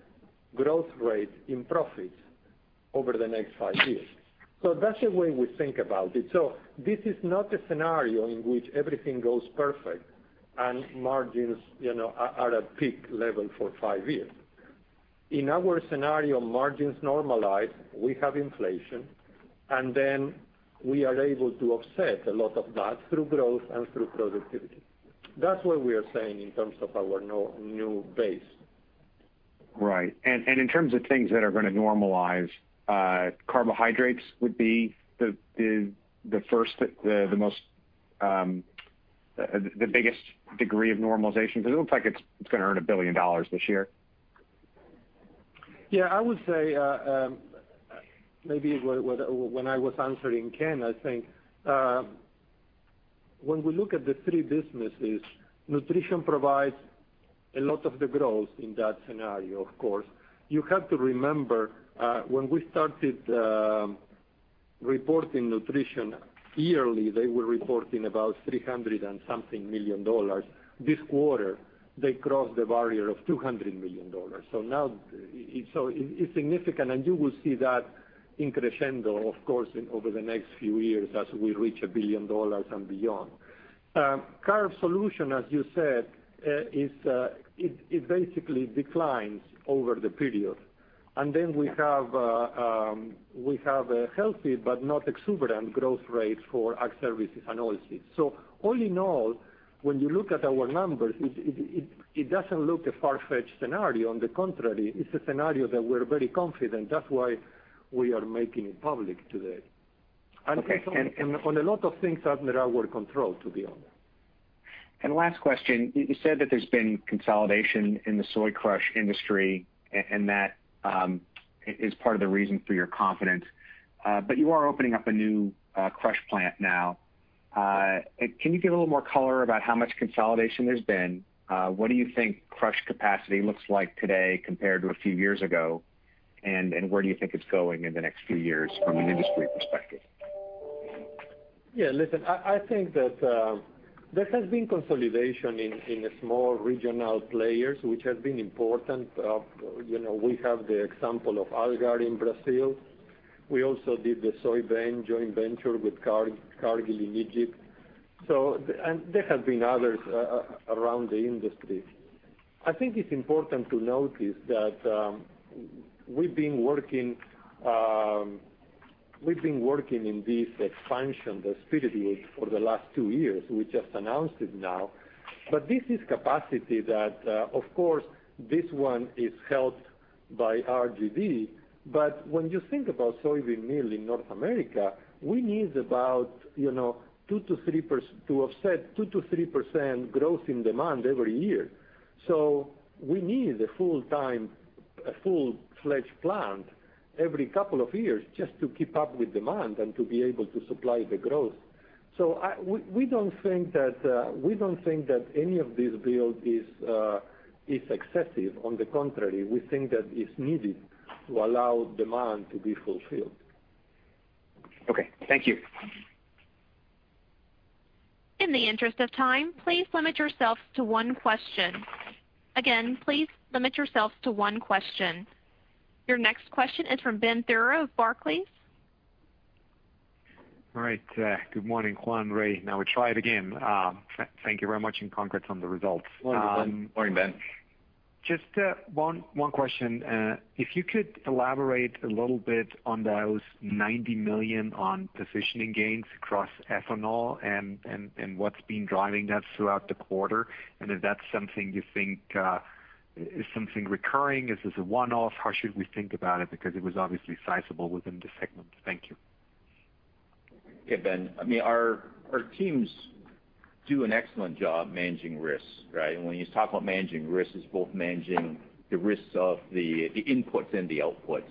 growth rate in profits over the next five years. That's the way we think about it. This is not a scenario in which everything goes perfect and margins are at peak level for five years. In our scenario, margins normalize, we have inflation, and then we are able to offset a lot of that through growth and through productivity. That is what we are saying in terms of our new base. Right. In terms of things that are going to normalize, Carbohydrate Solutions would be the biggest degree of normalization, because it looks like it's going to earn $1 billion this year. Yeah, I would say, maybe when I was answering Ken, I think, when we look at the 3 businesses, Nutrition provides a lot of the growth in that scenario, of course. You have to remember, when we started reporting Nutrition yearly, they were reporting about $300 and something million. This quarter, they crossed the barrier of $200 million. It's significant, and you will see that in crescendo, of course, over the next few years as we reach $1 billion and beyond. Carbohydrate Solutions, as you said, it basically declines over the period. We have a healthy but not exuberant growth rate for Ag Services and Oilseeds. All in all, when you look at our numbers, it doesn't look a far-fetched scenario. On the contrary, it's a scenario that we're very confident. That's why we are making it public today. Okay. On a lot of things that are our control, to be honest. Last question. You said that there's been consolidation in the soy crush industry, and that is part of the reason for your confidence. You are opening up a new crush plant now. Can you give a little more color about how much consolidation there's been? What do you think crush capacity looks like today compared to a few years ago? Where do you think it's going in the next few years from an industry perspective? Yeah, listen, I think that there has been consolidation in the small regional players, which has been important. We have the example of Algar in Brazil. We also did the soybean joint venture with Cargill in Egypt. There have been others around the industry. I think it's important to notice that we've been working in this expansion, this buildup, for the last two years. We just announced it now. This is capacity that, of course, this one is held by RGV, but when you think about soybean meal in North America, we need about 2%-3% to offset 2%-3% growth in demand every year. We need a full-fledged plant every couple of years just to keep up with demand and to be able to supply the growth. We don't think that any of this build is excessive. On the contrary, we think that it's needed to allow demand to be fulfilled. Okay. Thank you. In the interest of time, please limit yourself to 1 question. Again, please limit yourself to 1 question. Your next question is from Benjamin Theurer of Barclays. All right. Good morning, Juan, Ray. We try it again. Thank you very much and congrats on the results. Morning, Ben. Morning, Ben. Just one question. If you could elaborate a little bit on those $90 million on positioning gains across ethanol and what has been driving that throughout the quarter, and if that is something you think is recurring? Is this a one-off? How should we think about it, because it was obviously sizable within the segment? Thank you. Yeah, Ben. Our teams do an excellent job managing risks. When you talk about managing risks, it's both managing the risks of the inputs and the outputs.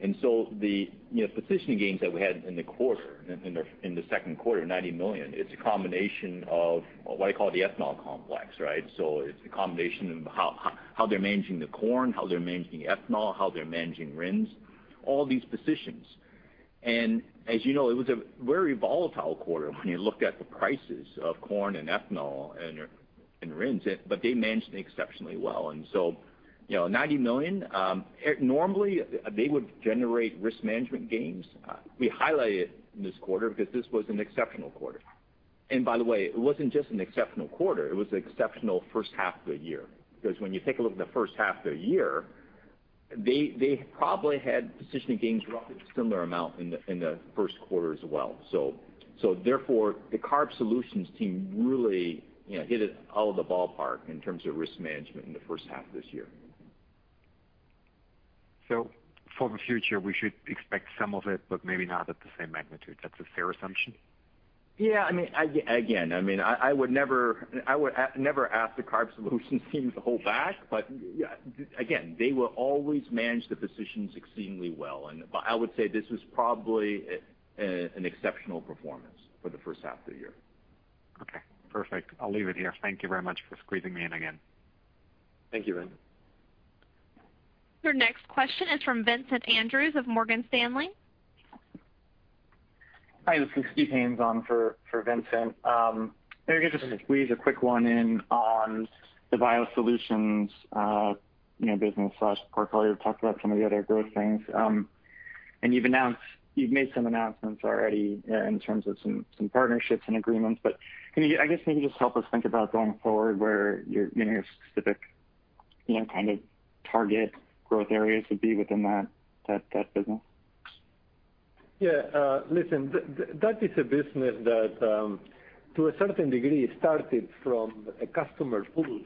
The positioning gains that we had in the second quarter, $90 million, it's a combination of what I call the ethanol complex. It's a combination of how they're managing the corn, how they're managing ethanol, how they're managing RINs, all these positions. As you know, it was a very volatile quarter when you looked at the prices of corn and ethanol and RINs, but they managed exceptionally well. $90 million, normally they would generate risk management gains. We highlight it this quarter because this was an exceptional quarter. By the way, it wasn't just an exceptional quarter, it was an exceptional first half of the year. When you take a look at the first half of the year, they probably had positioning gains roughly a similar amount in the first quarter as well. Therefore, the Carbohydrate Solutions team really hit it out of the ballpark in terms of risk management in the first half of this year. For the future, we should expect some of it, but maybe not at the same magnitude. That's a fair assumption? Yeah. Again, I would never ask the Carbohydrate Solutions team to hold back, but again, they will always manage the positions exceedingly well. I would say this was probably an exceptional performance for the first half of the year. Okay, perfect. I'll leave it here. Thank you very much for squeezing me in again. Thank you, Ben. Your next question is from Vincent Andrews of Morgan Stanley. Hi, this is Steve Haynes on for Vincent. Maybe just to squeeze a quick one in on the Biosolutions business/portfolio. Talked about some of the other growth things. You've made some announcements already in terms of some partnerships and agreements. Can you, I guess, maybe just help us think about going forward where your specific kind of target growth areas would be within that business? Listen, that is a business that to a certain degree, started from a customer pool.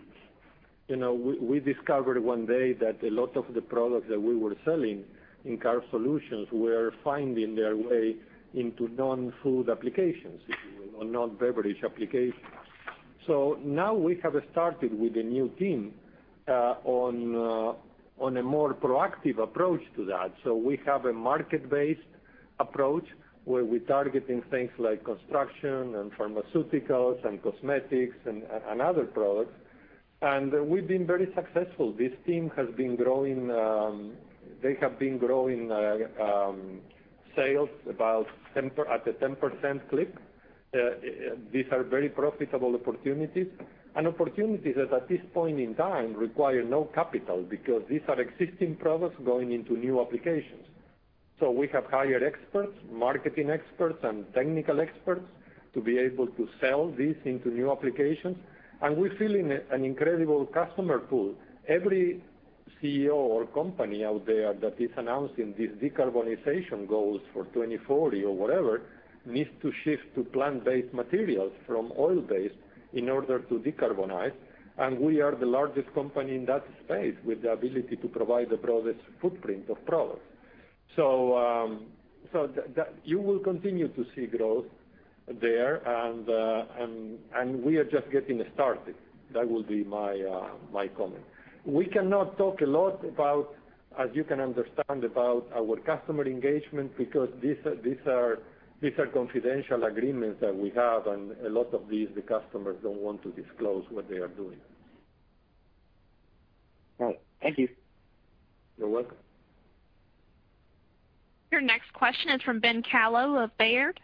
We discovered one day that a lot of the products that we were selling in Carbohydrate Solutions were finding their way into non-food applications, if you will, or non-beverage applications. Now we have started with a new team on a more proactive approach to that. We have a market-based approach where we're targeting things like construction and pharmaceuticals and cosmetics and other products. We've been very successful. This team has been growing sales about at a 10% clip. These are very profitable opportunities and opportunities that at this point in time require no capital because these are existing products going into new applications. We have hired experts, marketing experts, and technical experts, to be able to sell this into new applications. We're filling an incredible customer pool. Every CEO or company out there that is announcing these decarbonization goals for 2040 or whatever, needs to shift to plant-based materials from oil-based in order to decarbonize. We are the largest company in that space with the ability to provide the broadest footprint of products. You will continue to see growth there, and we are just getting started. That will be my comment. We cannot talk a lot about, as you can understand, about our customer engagement, because these are confidential agreements that we have, and a lot of these, the customers don't want to disclose what they are doing. All right. Thank you. You're welcome. Your next question is from Ben Kallo of Baird.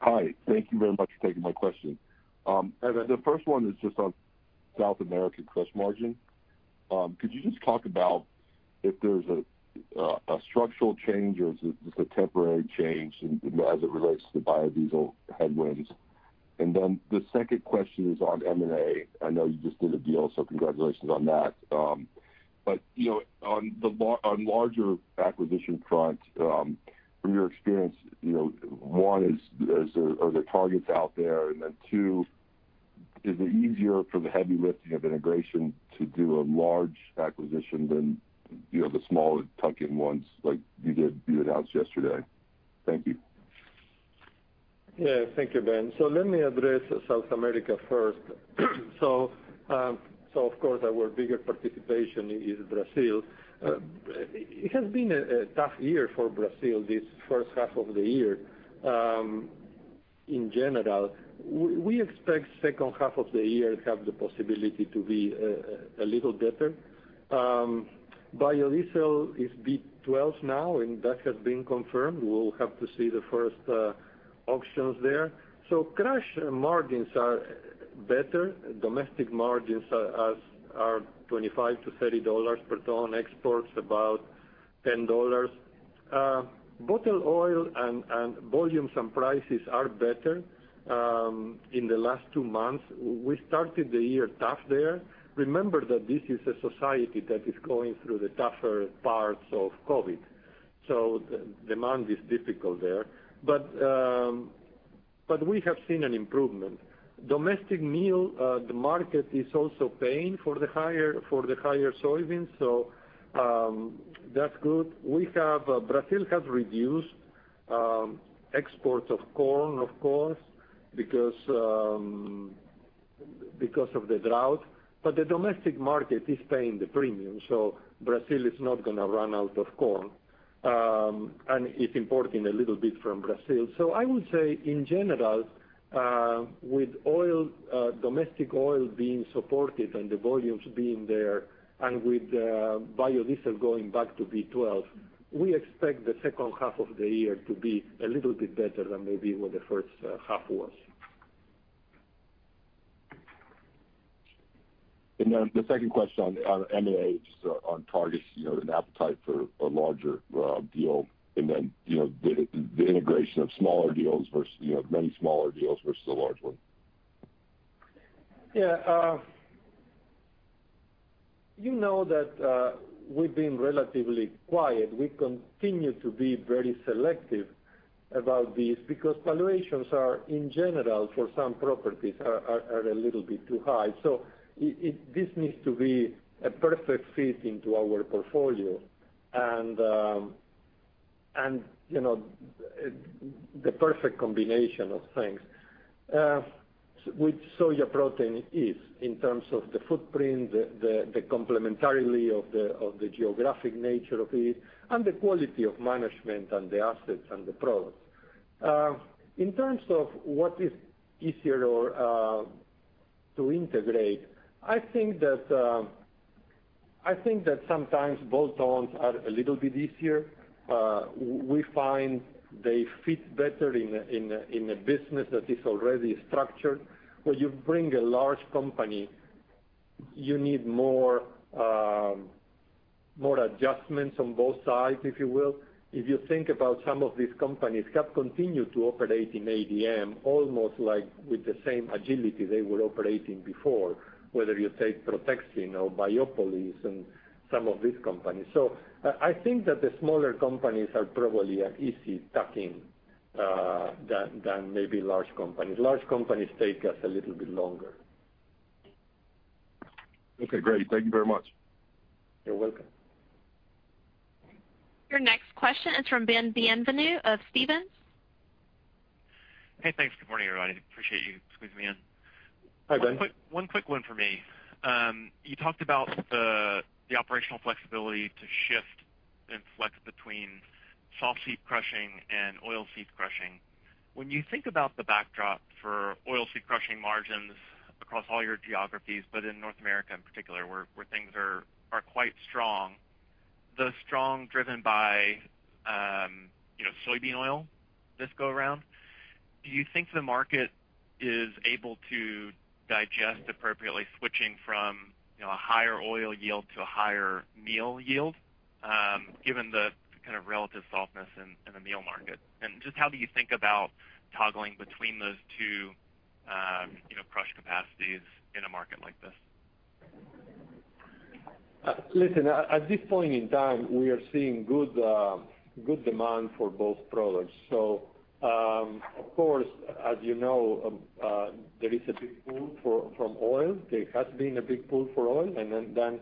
Hi. Thank you very much for taking my question. The first one is just on South American crush margin. Could you just talk about if there's a structural change or is this a temporary change in, as it relates to biodiesel headwinds? The second question is on M&A. I know you just did a deal, congratulations on that. On larger acquisition front, from your experience, one, are there targets out there? Two, is it easier for the heavy lifting of integration to do a large acquisition than the smaller tuck-in ones like you announced yesterday? Thank you. Yeah. Thank you, Ben. Let me address South America first. Of course, our bigger participation is Brazil. It has been a tough year for Brazil this first half of the year. In general, we expect second half of the year to have the possibility to be a little better. Biodiesel is B12 now, and that has been confirmed. We'll have to see the first auctions there. Crush margins are better. Domestic margins are $25-$30 per ton. Exports about $10. Bottle oil and volumes and prices are better in the last two months. We started the year tough there. Remember that this is a society that is going through the tougher parts of COVID, so demand is difficult there. We have seen an improvement. Domestic meal, the market is also paying for the higher soybeans, so that's good. Brazil has reduced exports of corn, of course, because of the drought. The domestic market is paying the premium, so Brazil is not going to run out of corn. It's importing a little bit from Brazil. I would say, in general, with domestic oil being supported and the volumes being there, and with biodiesel going back to B12, we expect the second half of the year to be a little bit better than maybe what the first half was. The second question on M&A, just on targets, an appetite for a larger deal, the integration of many smaller deals versus a large one? Yeah. You know that we've been relatively quiet. We continue to be very selective about this because valuations are, in general, for some properties, are a little bit too high. This needs to be a perfect fit into our portfolio. The perfect combination of things, which Sojaprotein is in terms of the footprint, the complementarity of the geographic nature of it, and the quality of management and the assets and the products. In terms of what is easier to integrate, I think that sometimes bolt-ons are a little bit easier. We find they fit better in a business that is already structured. When you bring a large company, you need more adjustments on both sides, if you will. If you think about some of these companies have continued to operate in ADM, almost like with the same agility they were operating before, whether you take Protexin or Biopolis and some of these companies. I think that the smaller companies are probably an easy tuck-in than maybe large companies. Large companies take us a little bit longer. Okay, great. Thank you very much. You're welcome. Your next question is from Ben Bienvenu of Stephens. Hey, thanks. Good morning, everybody. Appreciate you squeezing me in. Hi, Ben. One quick one for me. You talked about the operational flexibility to shift and flex between softseed crushing and oilseed crushing. When you think about the backdrop for oilseed crushing margins across all your geographies, but in North America in particular, where things are quite strong, the strong driven by soybean oil this go around, do you think the market is able to digest appropriately switching from a higher oil yield to a higher meal yield, given the kind of relative softness in the meal market? Just how do you think about toggling between those two crush capacities in a market like this? Listen, at this point in time, we are seeing good demand for both products. Of course, as you know, there is a big pull from oil. There has been a big pull for oil, and then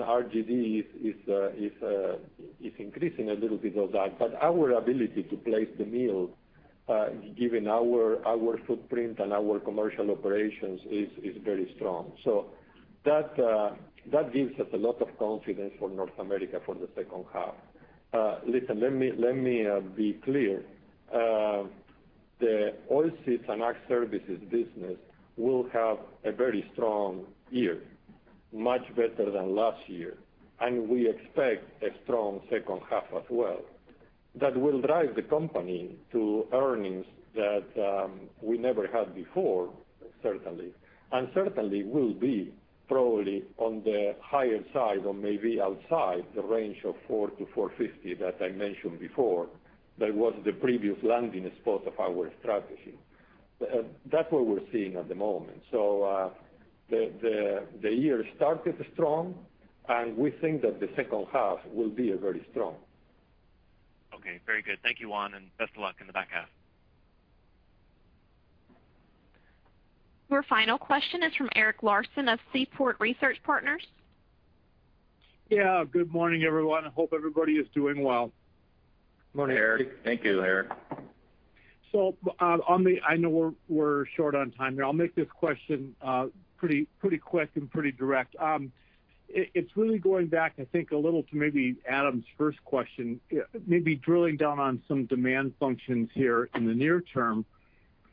R&D is increasing a little bit of that. Our ability to place the meal. Given our footprint and our commercial operations is very strong. That gives us a lot of confidence for North America for the second half. Listen, let me be clear. The oilseeds and ag services business will have a very strong year, much better than last year, and we expect a strong second half as well. That will drive the company to earnings that we never had before, certainly. Certainly will be probably on the higher side or maybe outside the range of $400-$450 that I mentioned before. That was the previous landing spot of our strategy. That's what we're seeing at the moment. The year started strong, and we think that the second half will be very strong. Okay. Very good. Thank you, Juan, and best of luck in the back half. Our final question is from Eric Larson of Seaport Research Partners. Yeah. Good morning, everyone. Hope everybody is doing well. Morning, Eric. Thank you, Eric. I know we're short on time here. I'll make this question pretty quick and pretty direct. It's really going back, I think, a little to maybe Adam's first question, maybe drilling down on some demand functions here in the near term.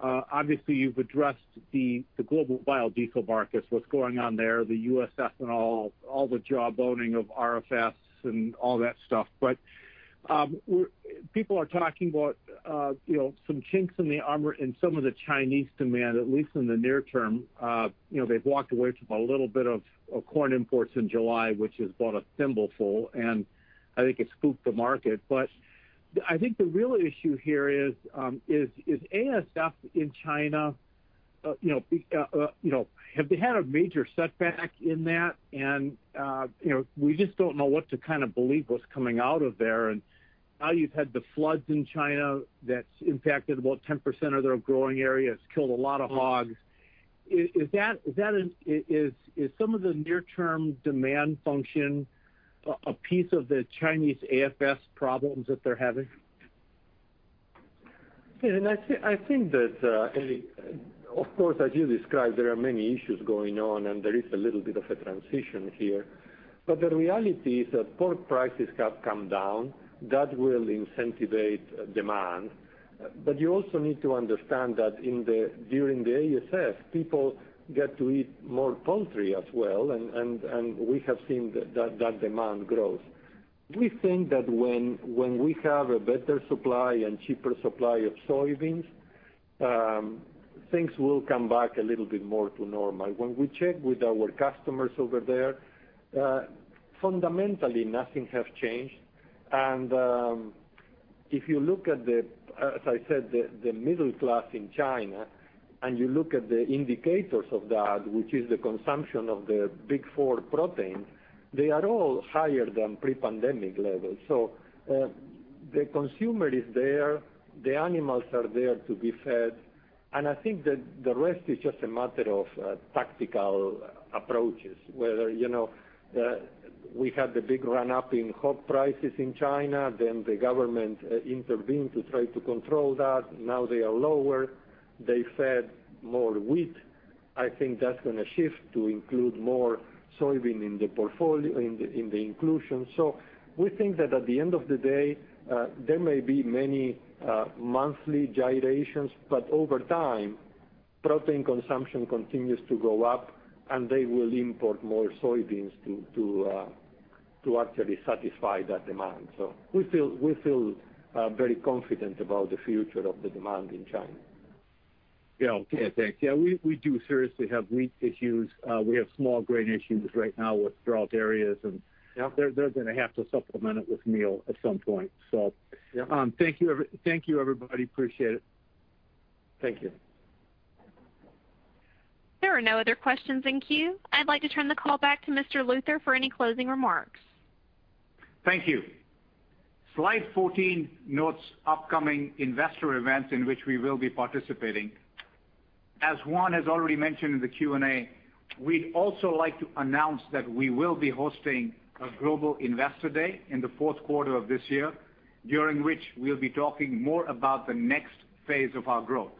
Obviously, you've addressed the global biodiesel markets, what's going on there, the U.S. ethanol, all the jawboning of RFS and all that stuff. People are talking about some chinks in the armor in some of the Chinese demand, at least in the near term. They've walked away from a little bit of corn imports in July, which has brought a thimble full, and I think it spooked the market. I think the real issue here is ASF in China, have they had a major setback in that? We just don't know what to kind of believe what's coming out of there. Now you've had the floods in China that's impacted about 10% of their growing areas, killed a lot of hogs. Is some of the near-term demand function a piece of the Chinese ASF problems that they're having? I think that, of course, as you described, there are many issues going on, and there is a little bit of a transition here. The reality is that pork prices have come down. That will incentivize demand. You also need to understand that during the ASF, people get to eat more poultry as well, and we have seen that demand growth. We think that when we have a better supply and cheaper supply of soybeans, things will come back a little bit more to normal. When we check with our customers over there, fundamentally nothing have changed. If you look at the, as I said, the middle class in China, and you look at the indicators of that, which is the consumption of the big four proteins, they are all higher than pre-pandemic levels. The consumer is there, the animals are there to be fed, and I think that the rest is just a matter of tactical approaches. Whether we had the big run-up in hog prices in China, then the government intervened to try to control that. Now they are lower. They fed more wheat. I think that's going to shift to include more soybean in the inclusion. We think that at the end of the day, there may be many monthly gyrations, but over time, protein consumption continues to go up, and they will import more soybeans to actually satisfy that demand. We feel very confident about the future of the demand in China. Yeah, okay, thanks. Yeah, we do seriously have wheat issues. We have small grain issues right now with drought areas. Yep they're going to have to supplement it with meal at some point. Yep Thank you, everybody. Appreciate it. Thank you. There are no other questions in queue. I'd like to turn the call back to Mr. Luthar for any closing remarks. Thank you. Slide 14 notes upcoming investor events in which we will be participating. As Juan has already mentioned in the Q&A, we'd also like to announce that we will be hosting a global investor day in the fourth quarter of this year, during which we'll be talking more about the next phase of our growth.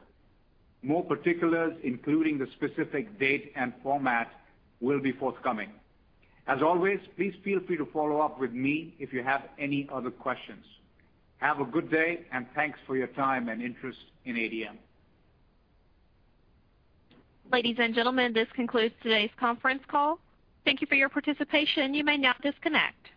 More particulars, including the specific date and format, will be forthcoming. As always, please feel free to follow up with me if you have any other questions. Have a good day, and thanks for your time and interest in ADM. Ladies and gentlemen, this concludes today's conference call. Thank you for your participation. You may now disconnect.